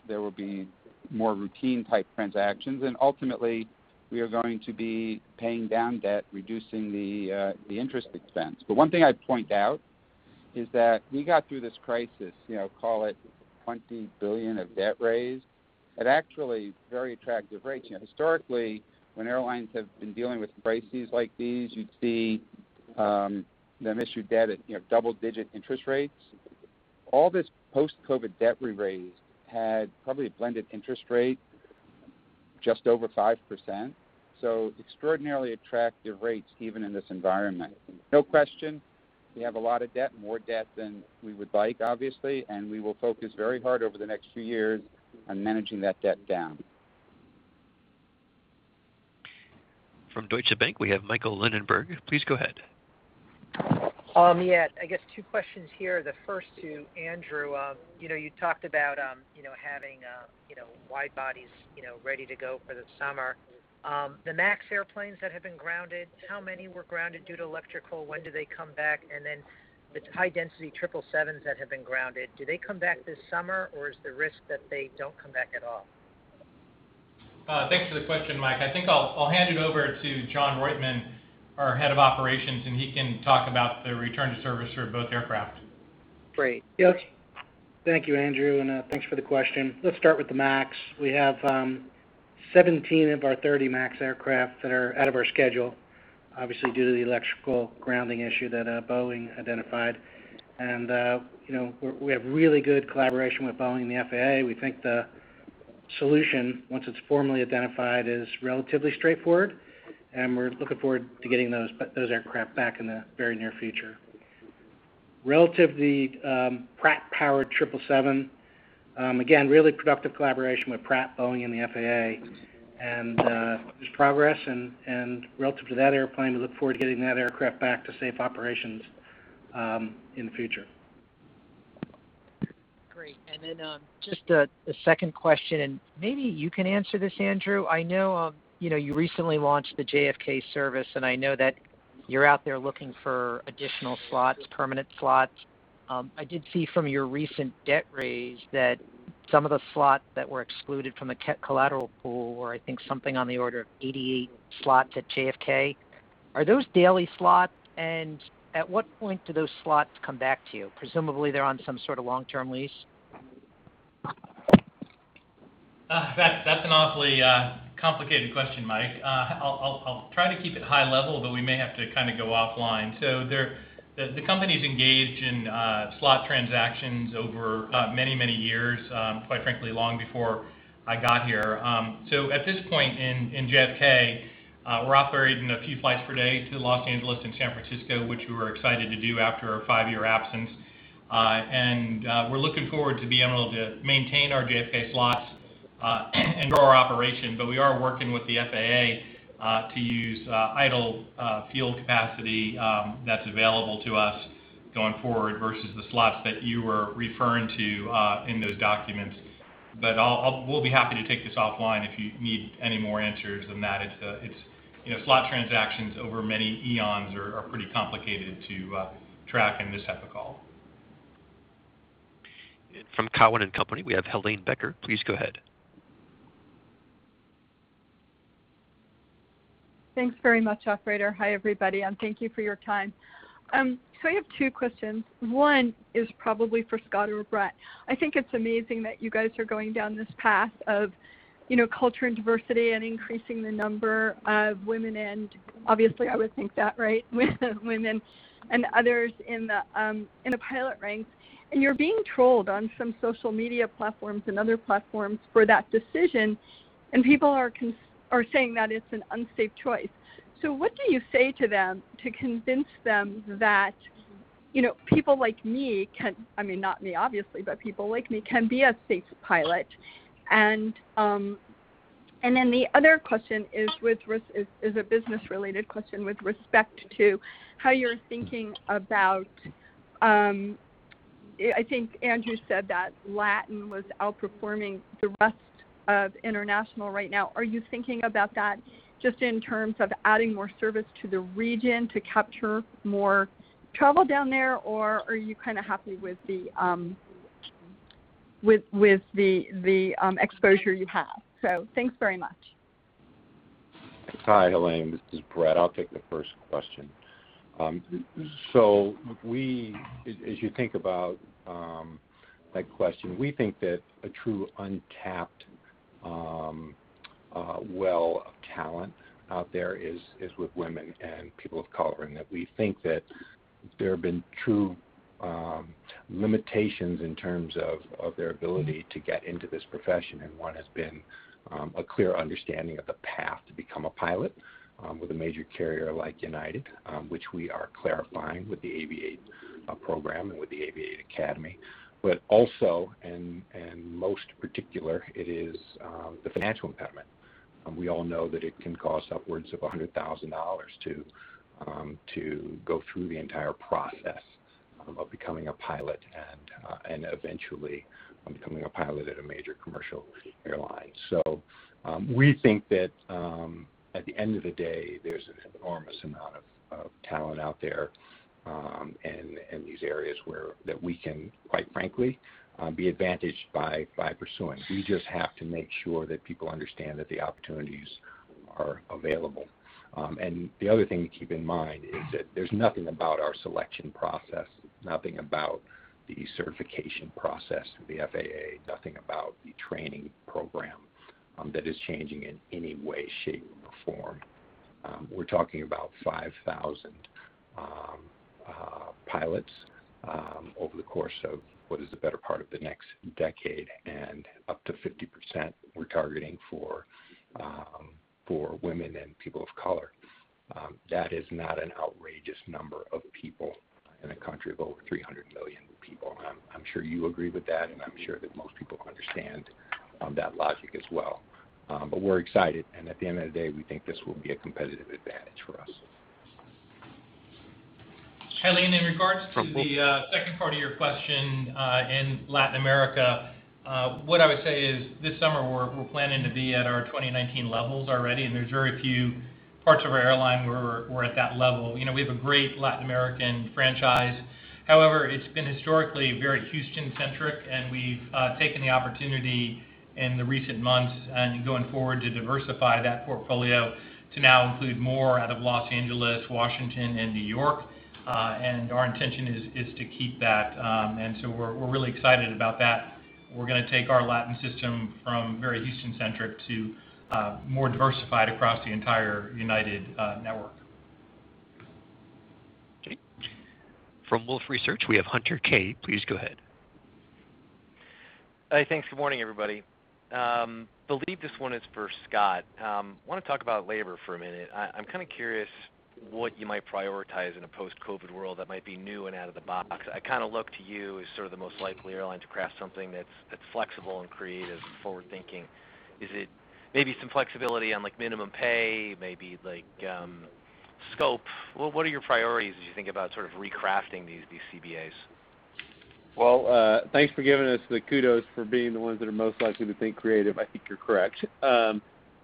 there will be more routine-type transactions, and ultimately, we are going to be paying down debt, reducing the interest expense. One thing I'd point out is that we got through this crisis, call it $20 billion of debt raised, at actually very attractive rates. Historically, when airlines have been dealing with crises like these, you'd see them issue debt at double-digit interest rates. All this post-COVID debt we raised had probably a blended interest rate just over 5%. Extraordinarily attractive rates, even in this environment. No question, we have a lot of debt, more debt than we would like, obviously, and we will focus very hard over the next few years on managing that debt down. From Deutsche Bank, we have Michael Linenberg. Please go ahead. Yeah. I guess two questions here. The first to Andrew. You talked about having wide bodies ready to go for the summer. The MAX airplanes that have been grounded, how many were grounded due to electrical? When do they come back? The high-density 777s that have been grounded, do they come back this summer, or is there risk that they don't come back at all? Thanks for the question, Mike. I think I'll hand it over to Jon Roitman, our head of operations, and he can talk about the return to service for both aircraft. Great. Yes. Thank you, Andrew. Thanks for the question. Let's start with the MAX. We have 17 of our 30 MAX aircraft that are out of our schedule, obviously due to the electrical grounding issue that Boeing identified. We have really good collaboration with Boeing and the FAA. We think the solution, once it's formally identified, is relatively straightforward, and we're looking forward to getting those aircraft back in the very near future. Relative to the Pratt-powered 777, again, really productive collaboration with Pratt, Boeing, and the FAA, and there's progress, and relative to that airplane, we look forward to getting that aircraft back to safe operations in the future. Great. Just a second question, and maybe you can answer this, Andrew. I know you recently launched the JFK service, and I know that you're out there looking for additional permanent slots. I did see from your recent debt raise that some of the slots that were excluded from the collateral pool were, I think, something on the order of 88 slots at JFK. Are those daily slots, and at what point do those slots come back to you? Presumably, they're on some sort of long-term lease. That's an awfully complicated question, Mike. I'll try to keep it high level, but we may have to go offline. The company's engaged in slot transactions over many, many years, quite frankly, long before I got here. At this point in JFK, we're operating a few flights per day to Los Angeles and San Francisco, which we were excited to do after our five-year absence. We're looking forward to being able to maintain our JFK slots and grow our operation. We are working with the FAA to use idle field capacity that's available to us going forward versus the slots that you were referring to in those documents. We'll be happy to take this offline if you need any more answers than that. Slot transactions over many eons are pretty complicated to track in this type of call. From Cowen and Company, we have Helane Becker. Please go ahead. Thanks very much, operator. Hi, everybody, and thank you for your time. I have two questions. One is probably for Scott or Brett. I think it's amazing that you guys are going down this path of culture and diversity and increasing the number of women. Obviously, I would think that, right? Women and others in the pilot ranks. You're being trolled on some social media platforms and other platforms for that decision, and people are saying that it's an unsafe choice. What do you say to them to convince them that people like me can, I mean, not me obviously, but people like me can be a safe pilot? The other question is a business-related question with respect to how you're thinking about I think Andrew said that Latin was outperforming the rest of international right now. Are you thinking about that just in terms of adding more service to the region to capture more travel down there, or are you kind of happy with the exposure you have? Thanks very much. Hi, Helane. This is Brett. I'll take the first question. As you think about that question, we think that a true untapped well of talent out there is with women and people of color, and that we think that there have been true limitations in terms of their ability to get into this profession. One has been a clear understanding of the path to become a pilot with a major carrier like United, which we are clarifying with the Aviate program and with the Aviate Academy. Also, and most particular, it is the financial impediment. We all know that it can cost upwards of $100,000 to go through the entire process of becoming a pilot, and eventually becoming a pilot at a major commercial airline. We think that at the end of the day, there's an enormous amount of talent out there in these areas where that we can, quite frankly, be advantaged by pursuing. We just have to make sure that people understand that the opportunities are available. The other thing to keep in mind is that there's nothing about our selection process, nothing about the certification process with the FAA, nothing about the training program that is changing in any way, shape, or form. We're talking about 5,000 pilots over the course of what is the better part of the next decade, and up to 50% we're targeting for women and people of color. That is not an outrageous number of people in a country of over 300 million people. I'm sure you agree with that, and I'm sure that most people understand that logic as well. We're excited, and at the end of the day, we think this will be a competitive advantage for us. Helane, in regards to the second part of your question in Latin America, what I would say is this summer we're planning to be at our 2019 levels already. There's very few parts of our airline where we're at that level. We have a great Latin American franchise. However, it's been historically very Houston-centric. We've taken the opportunity in the recent months and going forward to diversify that portfolio to now include more out of Los Angeles, Washington, and New York. Our intention is to keep that. We're really excited about that. We're going to take our Latin system from very Houston-centric to more diversified across the entire United network. From Wolfe Research, we have Hunter Keay. Please go ahead. Hey, thanks. Good morning, everybody. Believe this one is for Scott. Want to talk about labor for a minute. I'm kind of curious what you might prioritize in a post-COVID world that might be new and out of the box. I kind of look to you as sort of the most likely airline to craft something that's flexible and creative and forward-thinking. Is it maybe some flexibility on minimum pay, maybe scope? What are your priorities as you think about sort of recrafting these CBAs? Well, thanks for giving us the kudos for being the ones that are most likely to think creative. I think you're correct.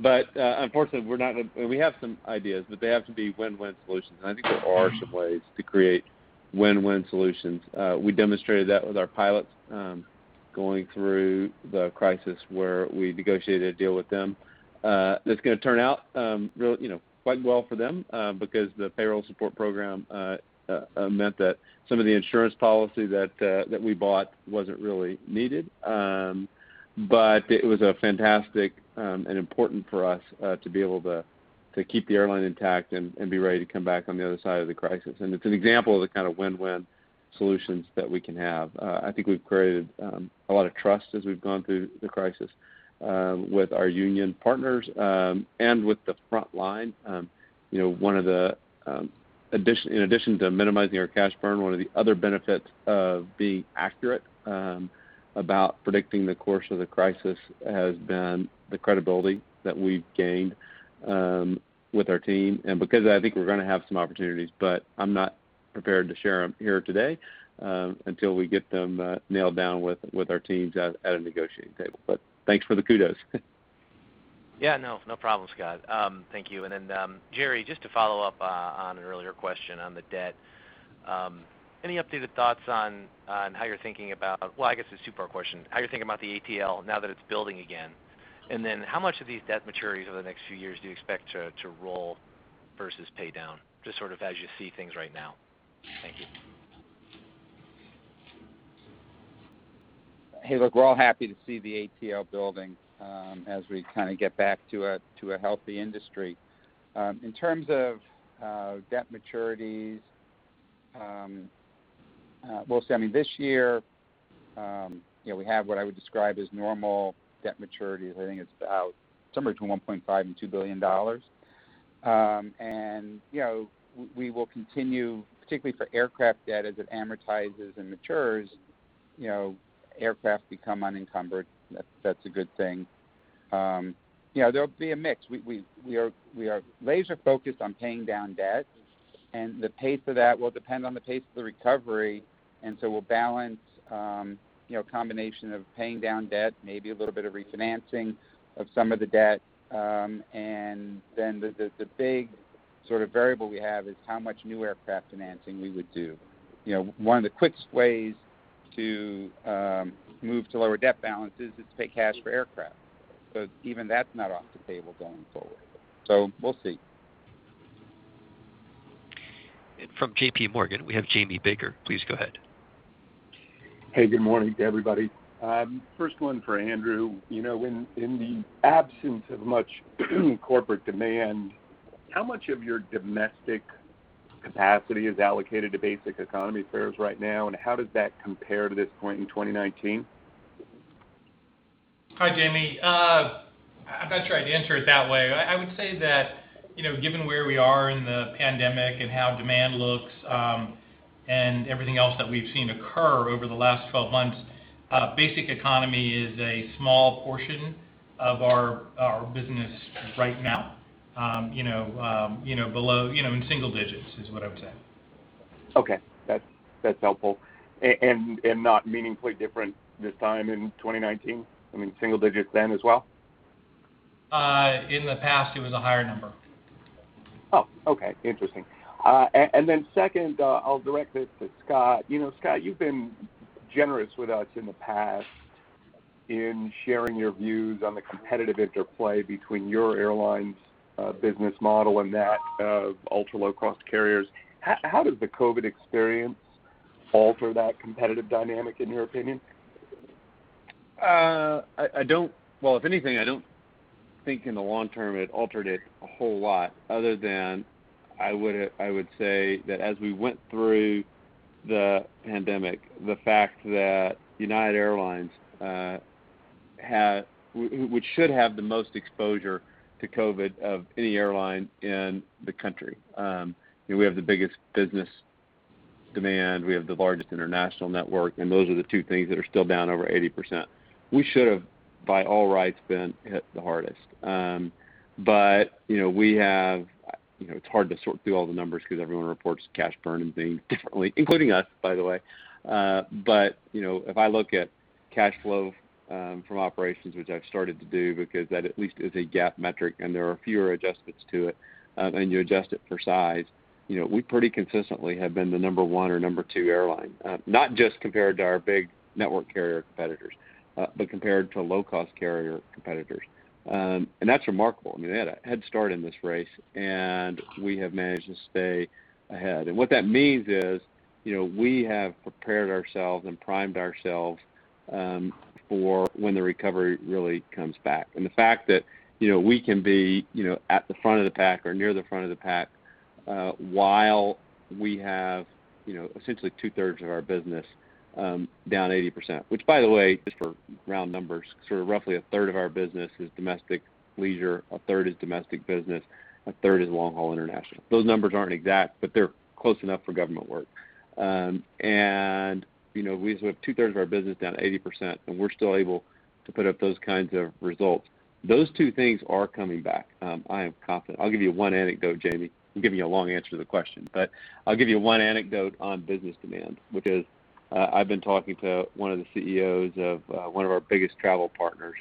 Unfortunately, we have some ideas, but they have to be win-win solutions. I think there are some ways to create win-win solutions. We demonstrated that with our pilots going through the crisis where we negotiated a deal with them that's going to turn out quite well for them because the Payroll Support Program meant that some of the insurance policy that we bought wasn't really needed. It was fantastic and important for us to be able to keep the airline intact and be ready to come back on the other side of the crisis. It's an example of the kind of win-win solutions that we can have. I think we've created a lot of trust as we've gone through the crisis with our union partners, and with the front line. In addition to minimizing our cash burn, one of the other benefits of being accurate about predicting the course of the crisis has been the credibility that we've gained with our team. Because I think we're going to have some opportunities, but I'm not prepared to share them here today until we get them nailed down with our teams at a negotiating table. Thanks for the kudos. Yeah. No problem, Scott. Thank you. Then, Gerry, just to follow up on an earlier question on the debt. Any updated thoughts. Well, I guess it's a two-part question. How you're thinking about the ATL now that it's building again, and then how much of these debt maturities over the next few years do you expect to roll versus pay down, just sort of as you see things right now? Thank you. Hey, look, we're all happy to see the ATL building as we kind of get back to a healthy industry. In terms of debt maturities, we'll see. This year, we have what I would describe as normal debt maturities. I think it's about somewhere between $1.5 billion and $2 billion. We will continue, particularly for aircraft debt as it amortizes and matures, aircraft become unencumbered. That's a good thing. There'll be a mix. We are laser focused on paying down debt, and the pace of that will depend on the pace of the recovery. We'll balance a combination of paying down debt, maybe a little bit of refinancing of some of the debt. The big sort of variable we have is how much new aircraft financing we would do. One of the quickest ways to move to lower debt balance is to take cash for aircraft. Even that's not off the table going forward. We'll see. From JPMorgan, we have Jamie Baker. Please go ahead. Hey, good morning to everybody. First one for Andrew. In the absence of much corporate demand, how much of your domestic capacity is allocated to basic economy fares right now, and how does that compare to this point in 2019? Hi, Jamie. I'm not sure I'd answer it that way. I would say that, given where we are in the pandemic and how demand looks, and everything else that we've seen occur over the last 12 months, basic economy is a small portion of our business right now. In single digits is what I would say. Okay. That's helpful. Not meaningfully different this time in 2019? I mean, single digits then as well? In the past, it was a higher number. Oh, okay. Interesting. Second, I'll direct this to Scott. Scott, you've been generous with us in the past in sharing your views on the competitive interplay between your airline's business model and that of ultra-low-cost carriers. How does the COVID experience alter that competitive dynamic, in your opinion? Well, if anything, I don't think in the long term it altered it a whole lot other than I would say that as we went through the pandemic, the fact that United Airlines, which should have the most exposure to COVID of any airline in the country. We have the biggest business demand, we have the largest international network, those are the two things that are still down over 80%. We should have, by all rights, been hit the hardest. It's hard to sort through all the numbers because everyone reports cash burn and things differently, including us, by the way. If I look at cash flow from operations, which I've started to do because that at least is a GAAP metric and there are fewer adjustments to it, and you adjust it for size, we pretty consistently have been the number one or number two airline. Not just compared to our big network carrier competitors, but compared to low-cost carrier competitors. That's remarkable. They had a head start in this race, and we have managed to stay ahead. What that means is we have prepared ourselves and primed ourselves for when the recovery really comes back. The fact that we can be at the front of the pack or near the front of the pack while we have essentially two-thirds of our business down 80%, which by the way, just for round numbers, sort of roughly a third of our business is domestic leisure, a third is domestic business, a third is long-haul international. Those numbers aren't exact, but they're close enough for government work. We have two-thirds of our business down 80%, and we're still able to put up those kinds of results. Those two things are coming back. I am confident. I'll give you one anecdote, Jamie. I'm giving you a long answer to the question. I'll give you one anecdote on business demand, because I've been talking to one of the CEOs of one of our biggest travel partners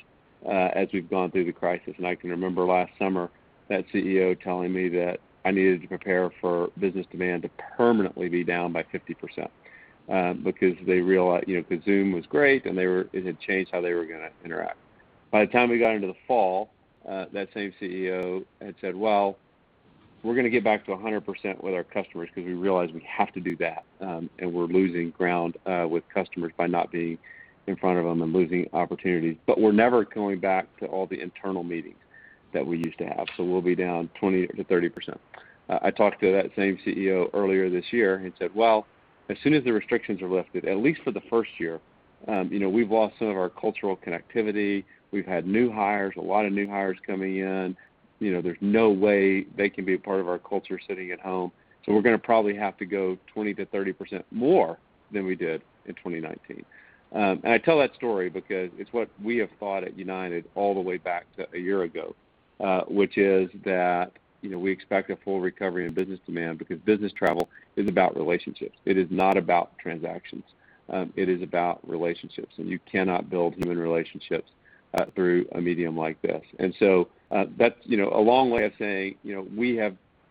as we've gone through the crisis. I can remember last summer that CEO telling me that I needed to prepare for business demand to permanently be down by 50%, because Zoom was great and it had changed how they were going to interact. By the time we got into the fall, that same CEO had said, "Well, we're going to get back to 100% with our customers because we realize we have to do that. We're losing ground with customers by not being in front of them and losing opportunities. We're never going back to all the internal meetings that we used to have. We'll be down 20%-30%." I talked to that same CEO earlier this year and he said, "Well, as soon as the restrictions are lifted, at least for the first year, we've lost some of our cultural connectivity. We've had new hires, a lot of new hires coming in. There's no way they can be a part of our culture sitting at home. We're going to probably have to go 20%-30% more than we did in 2019." I tell that story because it's what we have thought at United all the way back to a year ago, which is that we expect a full recovery in business demand because business travel is about relationships. It is not about transactions. It is about relationships, and you cannot build human relationships through a medium like this. That's a long way of saying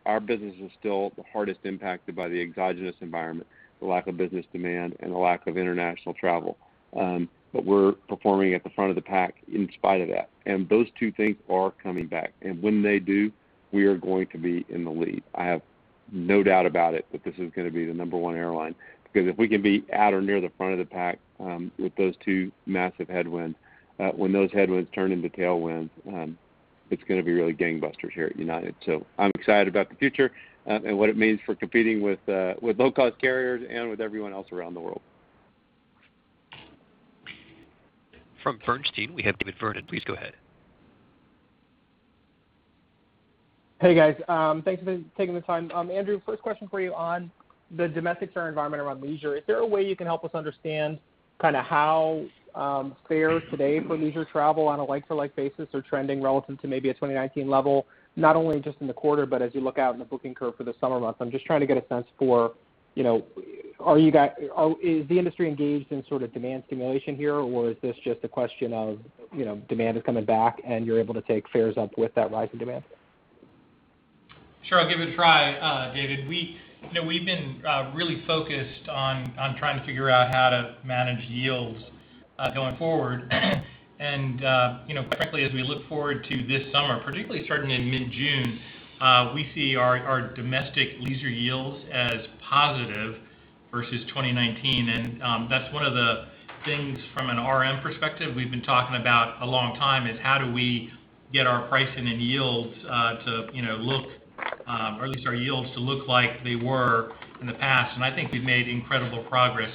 our business was still the hardest impacted by the exogenous environment, the lack of business demand and the lack of international travel. We're performing at the front of the pack in spite of that. Those two things are coming back. When they do, we are going to be in the lead. I have no doubt about it that this is going to be the number one airline, because if we can be at or near the front of the pack with those two massive headwinds, when those headwinds turn into tailwinds, it's going to be really gangbusters here at United. I'm excited about the future and what it means for competing with low-cost carriers and with everyone else around the world. From Bernstein, we have David Vernon. Please go ahead. Hey guys, thanks for taking the time. Andrew, first question for you on the domestic turn environment around leisure. Is there a way you can help us understand how fares today for leisure travel on a like-for-like basis are trending relative to maybe a 2019 level, not only just in the quarter, but as you look out in the booking curve for the summer months? I'm just trying to get a sense for, is the industry engaged in demand stimulation here, or is this just a question of demand is coming back and you're able to take fares up with that rise in demand? Sure. I'll give it a try, David. We've been really focused on trying to figure out how to manage yields going forward. Quite frankly, as we look forward to this summer, particularly starting in mid-June, we see our domestic leisure yields as positive versus 2019. That's one of the things from an RM perspective we've been talking about a long time is how do we get our pricing and yields to look, or at least our yields to look like they were in the past, and I think we've made incredible progress.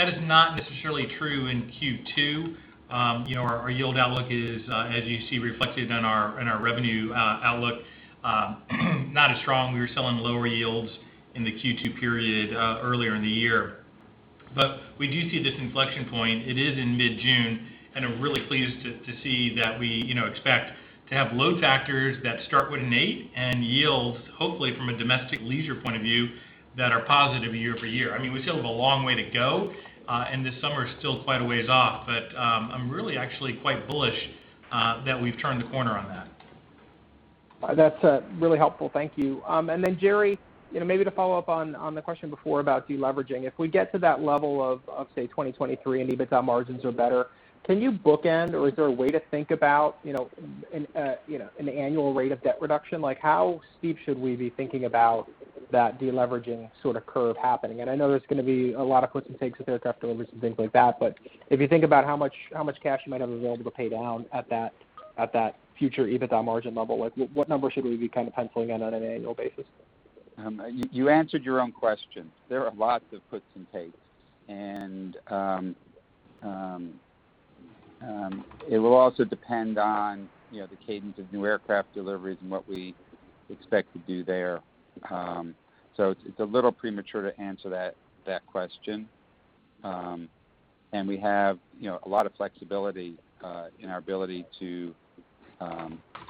That is not necessarily true in Q2. Our yield outlook is, as you see reflected in our revenue outlook, not as strong. We were selling lower yields in the Q2 period earlier in the year. We do see this inflection point. It is in mid-June, and I'm really pleased to see that we expect to have load factors that start with an eight and yields, hopefully from a domestic leisure point of view, that are positive year-over-year. We still have a long way to go, and this summer is still quite a ways off, but I'm really actually quite bullish that we've turned the corner on that. That's really helpful. Thank you. Then Gerry, maybe to follow up on the question before about deleveraging. If we get to that level of, say, 2023 and EBITDA margins are better, can you bookend or is there a way to think about an annual rate of debt reduction? How steep should we be thinking about that deleveraging sort of curve happening? I know there's going to be a lot of puts and takes with aircraft deliveries and things like that, but if you think about how much cash you might have available to pay down at that future EBITDA margin level, what number should we be penciling in on an annual basis? You answered your own question. There are lots of puts and takes. It will also depend on the cadence of new aircraft deliveries and what we expect to do there. It's a little premature to answer that question. We have a lot of flexibility in our ability to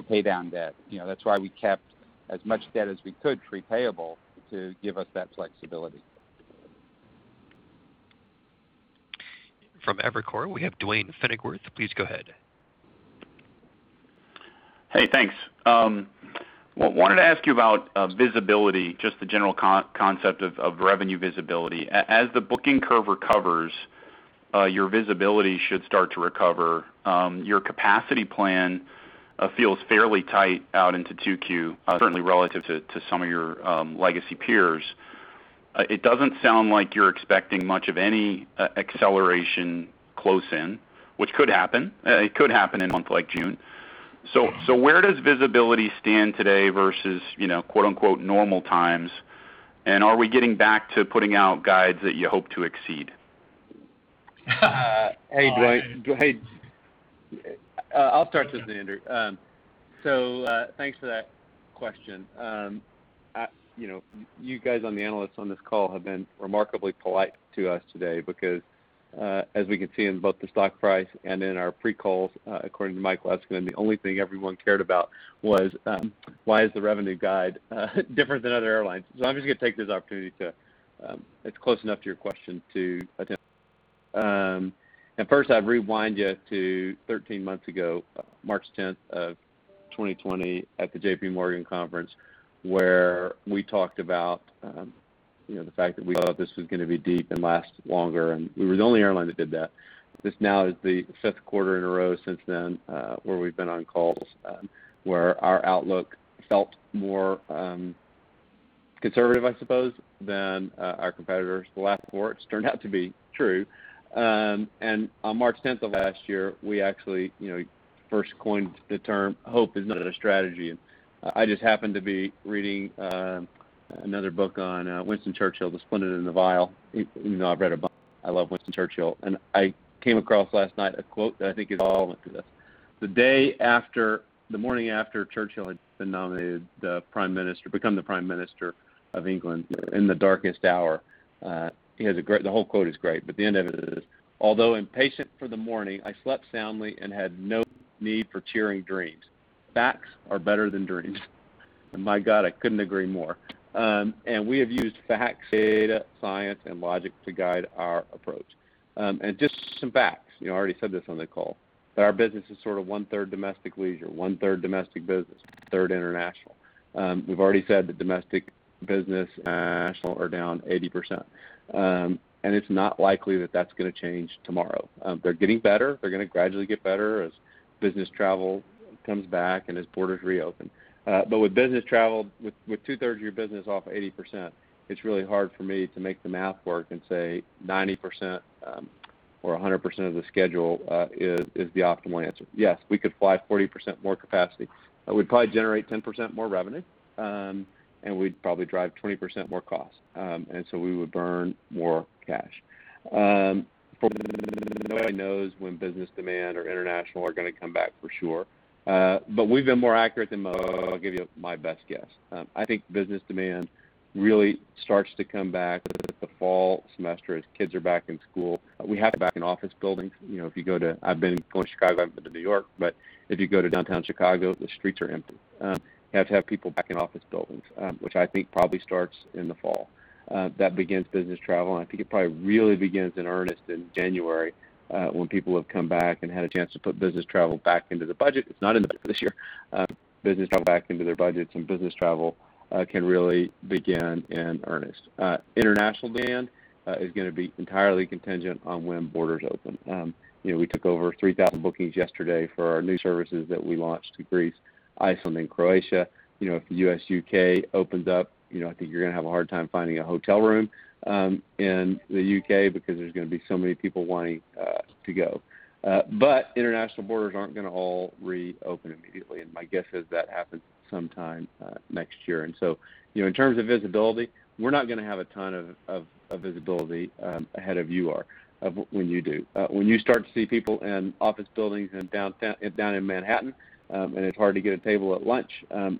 pay down debt. That's why we kept as much debt as we could prepayable to give us that flexibility. From Evercore, we have Duane Pfennigwerth. Please go ahead. Thanks. Wanted to ask you about visibility, just the general concept of revenue visibility. As the booking curve recovers, your visibility should start to recover. Your capacity plan feels fairly tight out into 2Q, certainly relative to some of your legacy peers. It doesn't sound like you're expecting much of any acceleration close in, which could happen. It could happen in a month like June. Where does visibility stand today versus "normal times," and are we getting back to putting out guides that you hope to exceed? Hey, Duane. I'll start this, Andrew. Thanks for that question. You guys, the analysts on this call have been remarkably polite to us today because as we can see in both the stock price and in our pre-calls, according to Mike, that's going to be the only thing everyone cared about was why is the revenue guide different than other airlines? I'm just going to take this opportunity to, it's close enough to your question to attempt. First I'd rewind you to 13 months ago, March 10th of 2020 at the JPMorgan conference, where we talked about the fact that we thought this was going to be deep and last longer, and we were the only airline that did that. This now is the fifth quarter in a row since then where we've been on calls where our outlook felt more conservative, I suppose, than our competitors. The last four it's turned out to be true. On March 10th of last year, we actually first coined the term, "Hope is not a strategy." I just happened to be reading another book on Winston Churchill, "The Splendid and the Vile." Even though I've read a bunch, I love Winston Churchill. I came across last night a quote that I think is all into this. The morning after Churchill had been nominated the Prime Minister, become the Prime Minister of England in the darkest hour. The whole quote is great. The end of it is, "Although impatient for the morning, I slept soundly and had no need for cheering dreams. Facts are better than dreams." My God, I couldn't agree more. We have used facts, data, science, and logic to guide our approach. Just some facts, I already said this on the call, our business is sort of one-third domestic leisure, one-third domestic business, one-third international. We've already said that domestic business and international are down 80%, it's not likely that that's going to change tomorrow. They're getting better. They're going to gradually get better as business travel comes back and as borders reopen. With business travel, with two-thirds of your business off 80%, it's really hard for me to make the math work and say 90% or 100% of the schedule is the optimal answer. Yes, we could fly 40% more capacity. It would probably generate 10% more revenue, we'd probably drive 20% more cost. We would burn more cash. Nobody knows when business demand or international are going to come back for sure. We've been more accurate than most, so I'll give you my best guess. I think business demand really starts to come back with the fall semester, as kids are back in school. We have to be back in office buildings. I've been going to Chicago, I haven't been to New York, but if you go to downtown Chicago, the streets are empty. You have to have people back in office buildings which I think probably starts in the fall. That begins business travel, and I think it probably really begins in earnest in January, when people have come back and had a chance to put business travel back into the budget. It's not in the budget this year. Business travel back into their budgets and business travel can really begin in earnest. International demand is going to be entirely contingent on when borders open. We took over 3,000 bookings yesterday for our new services that we launched to Greece, Iceland, and Croatia. If the U.S., U.K. opens up, I think you're going to have a hard time finding a hotel room in the U.K. because there's going to be so many people wanting to go. International borders aren't going to all reopen immediately, and my guess is that happens sometime next year. In terms of visibility, we're not going to have a ton of visibility ahead of you are, of when you do. When you start to see people in office buildings and down in Manhattan, and it's hard to get a table at lunch,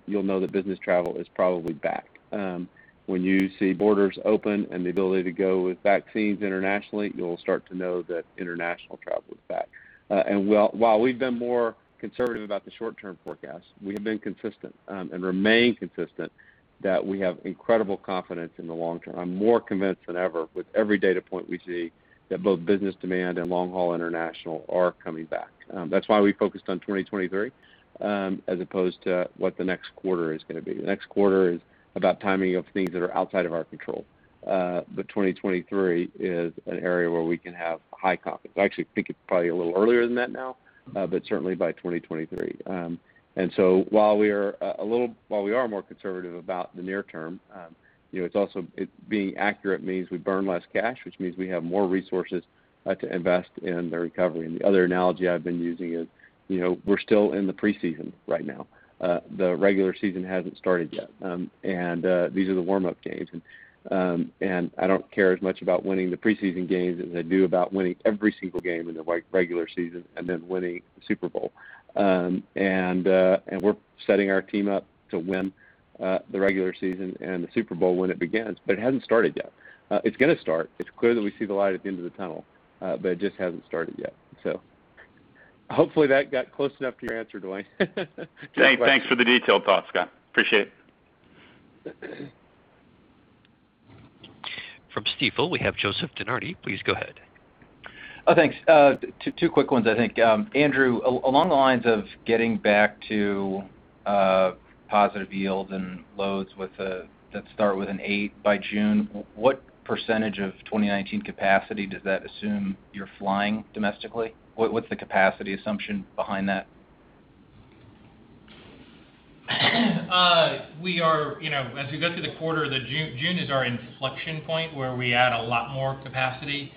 you'll know that business travel is probably back. When you see borders open and the ability to go with vaccines internationally, you'll start to know that international travel is back. While we've been more conservative about the short-term forecast, we have been consistent, and remain consistent that we have incredible confidence in the long term. I'm more convinced than ever with every data point we see that both business demand and long-haul international are coming back. That's why we focused on 2023, as opposed to what the next quarter is going to be. The next quarter is about timing of things that are outside of our control. 2023 is an area where we can have high confidence. I actually think it's probably a little earlier than that now, but certainly by 2023. While we are more conservative about the near term, being accurate means we burn less cash, which means we have more resources to invest in the recovery. The other analogy I've been using is, we're still in the preseason right now. The regular season hasn't started yet. These are the warm-up games. I don't care as much about winning the preseason games as I do about winning every single game in the regular season and then winning the Super Bowl. We're setting our team up to win the regular season and the Super Bowl when it begins, but it hasn't started yet. It's going to start. It's clear that we see the light at the end of the tunnel, but it just hasn't started yet. Hopefully that got close enough to your answer, Duane. Thanks for the detail, Scott. Appreciate it. From Stifel, we have Joseph DeNardi. Please go ahead. Thanks. Two quick ones, I think. Andrew, along the lines of getting back to positive yields and loads that start with an eight by June, what % of 2019 capacity does that assume you're flying domestically? What's the capacity assumption behind that? As we go through the quarter, June is our inflection point where we add a lot more capacity.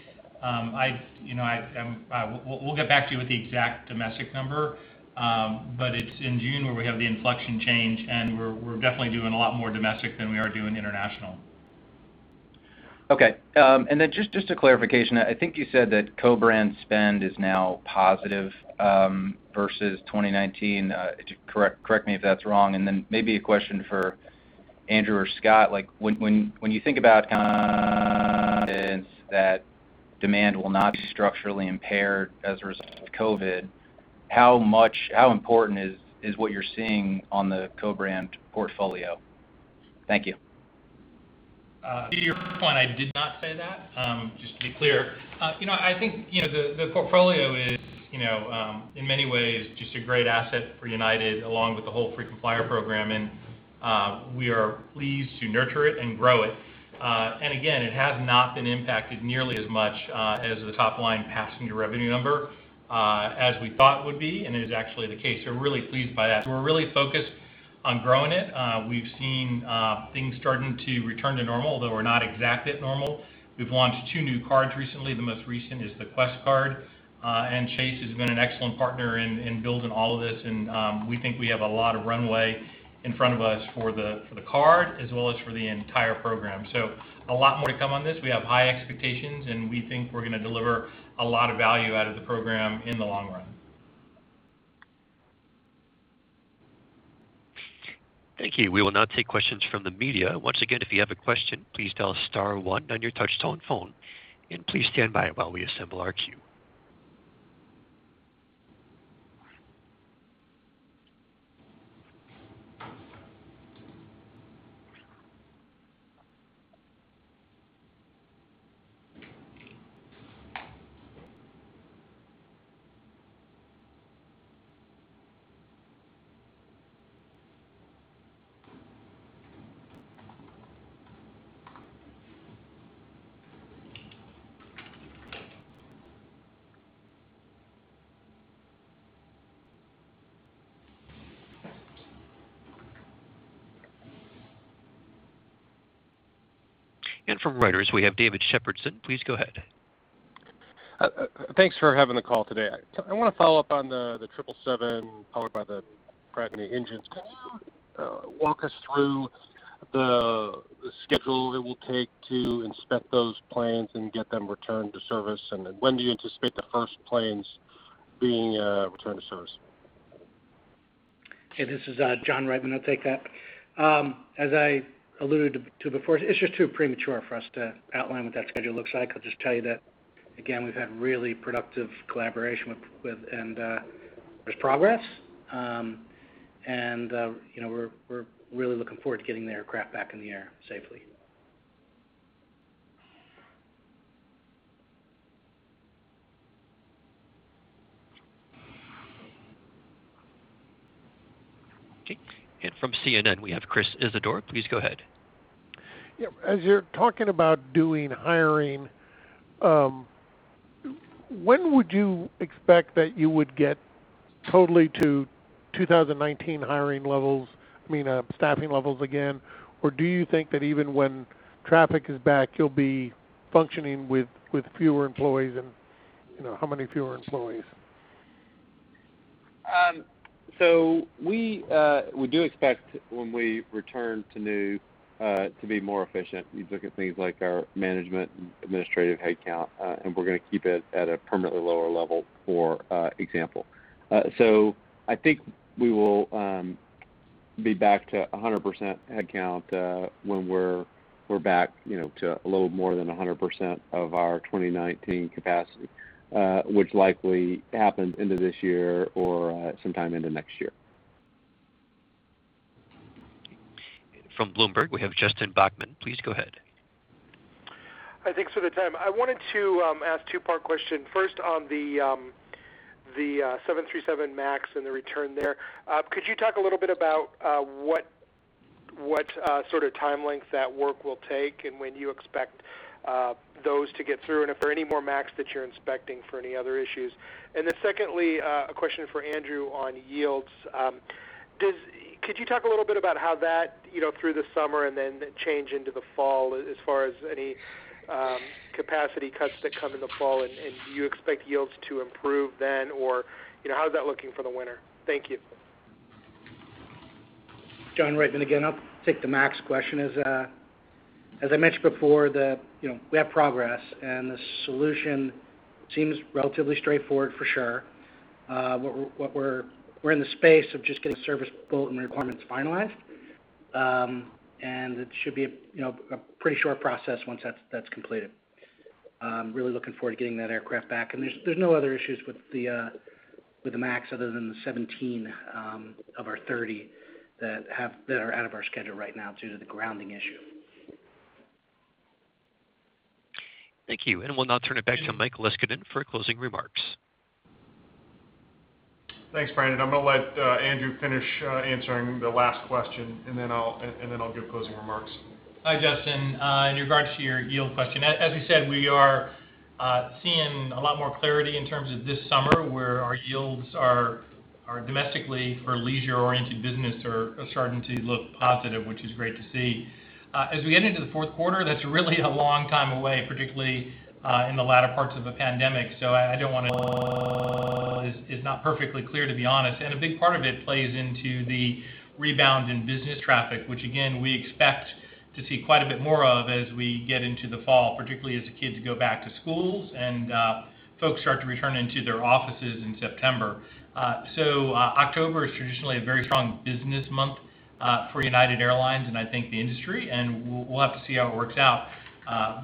We'll get back to you with the exact domestic number. It's in June where we have the inflection change, and we're definitely doing a lot more domestic than we are doing international. Okay. Just a clarification, I think you said that co-brand spend is now positive versus 2019. Correct me if that's wrong. Maybe a question for Andrew or Scott, when you think about that demand will not be structurally impaired as a result of COVID, how important is what you're seeing on the co-brand portfolio? Thank you. To your first point, I did not say that, just to be clear. I think the portfolio is, in many ways, just a great asset for United, along with the whole frequent flyer program, and we are pleased to nurture it and grow it. Again, it has not been impacted nearly as much as the top-line passenger revenue number as we thought would be, and it is actually the case. We're really pleased by that. We're really focused on growing it. We've seen things starting to return to normal, although we're not exact at normal. We've launched two new cards recently. The most recent is the United Quest Card. Chase has been an excellent partner in building all of this, and we think we have a lot of runway in front of us for the card as well as for the entire program. A lot more to come on this. We have high expectations, and we think we're going to deliver a lot of value out of the program in the long run. Thank you. We will now take questions from the media. Once again, if you have a question, please press star one on your touch tone phone, and please stand by while we assemble our queue. From Reuters, we have David Shepardson. Please go ahead. Thanks for having the call today. I want to follow up on the 777 powered by the Pratt & Whitney engines. Could you walk us through the schedule it will take to inspect those planes and get them returned to service, and when do you anticipate the first planes being returned to service? Okay. This is Jon Roitman, I'll take that. As I alluded to before, it's just too premature for us to outline what that schedule looks like. I'll just tell you that, again, we've had really productive collaboration with, and there's progress. We're really looking forward to getting the aircraft back in the air safely. Okay. And from CNN, we have Chris Isidore. Please go ahead. Yep. As you're talking about doing hiring, when would you expect that you would get totally to 2019 hiring levels, I mean staffing levels again? Do you think that even when traffic is back, you'll be functioning with fewer employees, and how many fewer employees? We do expect when we Return to New, to be more efficient. You look at things like our management and administrative headcount, and we're going to keep it at a permanently lower level, for example. I think we will be back to 100% headcount when we're back to a little more than 100% of our 2019 capacity, which likely happens into this year or sometime into next year. From Bloomberg, we have Justin Bachman. Please go ahead. Thanks for the time. I wanted to ask a two-part question. First, on the 737 MAX and the return there, could you talk a little bit about what sort of time length that work will take, and when you expect those to get through, and if there are any more MAX that you're inspecting for any other issues? Secondly, a question for Andrew on yields. Could you talk a little bit about how that, through the summer and then the change into the fall as far as any capacity cuts that come in the fall, and do you expect yields to improve then, or how is that looking for the winter? Thank you. Jon Roitman again. I'll take the MAX question. As I mentioned before, we have progress, and the solution seems relatively straightforward for sure. We're in the space of just getting service bullet and requirements finalized. It should be a pretty short process once that's completed. Really looking forward to getting that aircraft back. There's no other issues with the MAX other than the 17 of our 30 that are out of our schedule right now due to the grounding issue. Thank you. We'll now turn it back to Mike Leskinen for closing remarks. Thanks, Brandon. I'm going to let Andrew finish answering the last question, and then I'll give closing remarks. Hi, Justin. In regards to your yield question, as we said, we are seeing a lot more clarity in terms of this summer, where our yields are domestically for leisure-oriented business are starting to look positive, which is great to see. As we get into the fourth quarter, that's really a long time away, particularly in the latter parts of the pandemic, so it is not perfectly clear, to be honest. A big part of it plays into the rebound in business traffic, which again, we expect to see quite a bit more of as we get into the fall, particularly as the kids go back to schools and folks start to return into their offices in September. October is traditionally a very strong business month for United Airlines and I think the industry, and we'll have to see how it works out.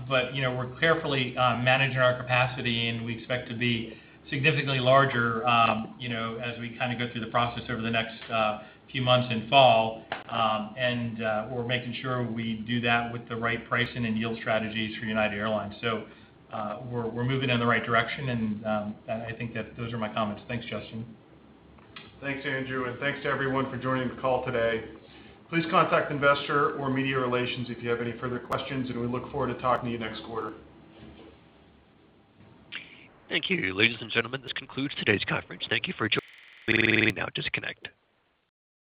We're carefully managing our capacity, and we expect to be significantly larger as we kind of go through the process over the next few months in fall. We're making sure we do that with the right pricing and yield strategies for United Airlines. We're moving in the right direction, and I think that those are my comments. Thanks, Justin. Thanks, Andrew, and thanks to everyone for joining the call today. Please contact investor or media relations if you have any further questions, and we look forward to talking to you next quarter. Thank you. Ladies and gentlemen, this concludes today's conference. Thank you for joining. You may now disconnect.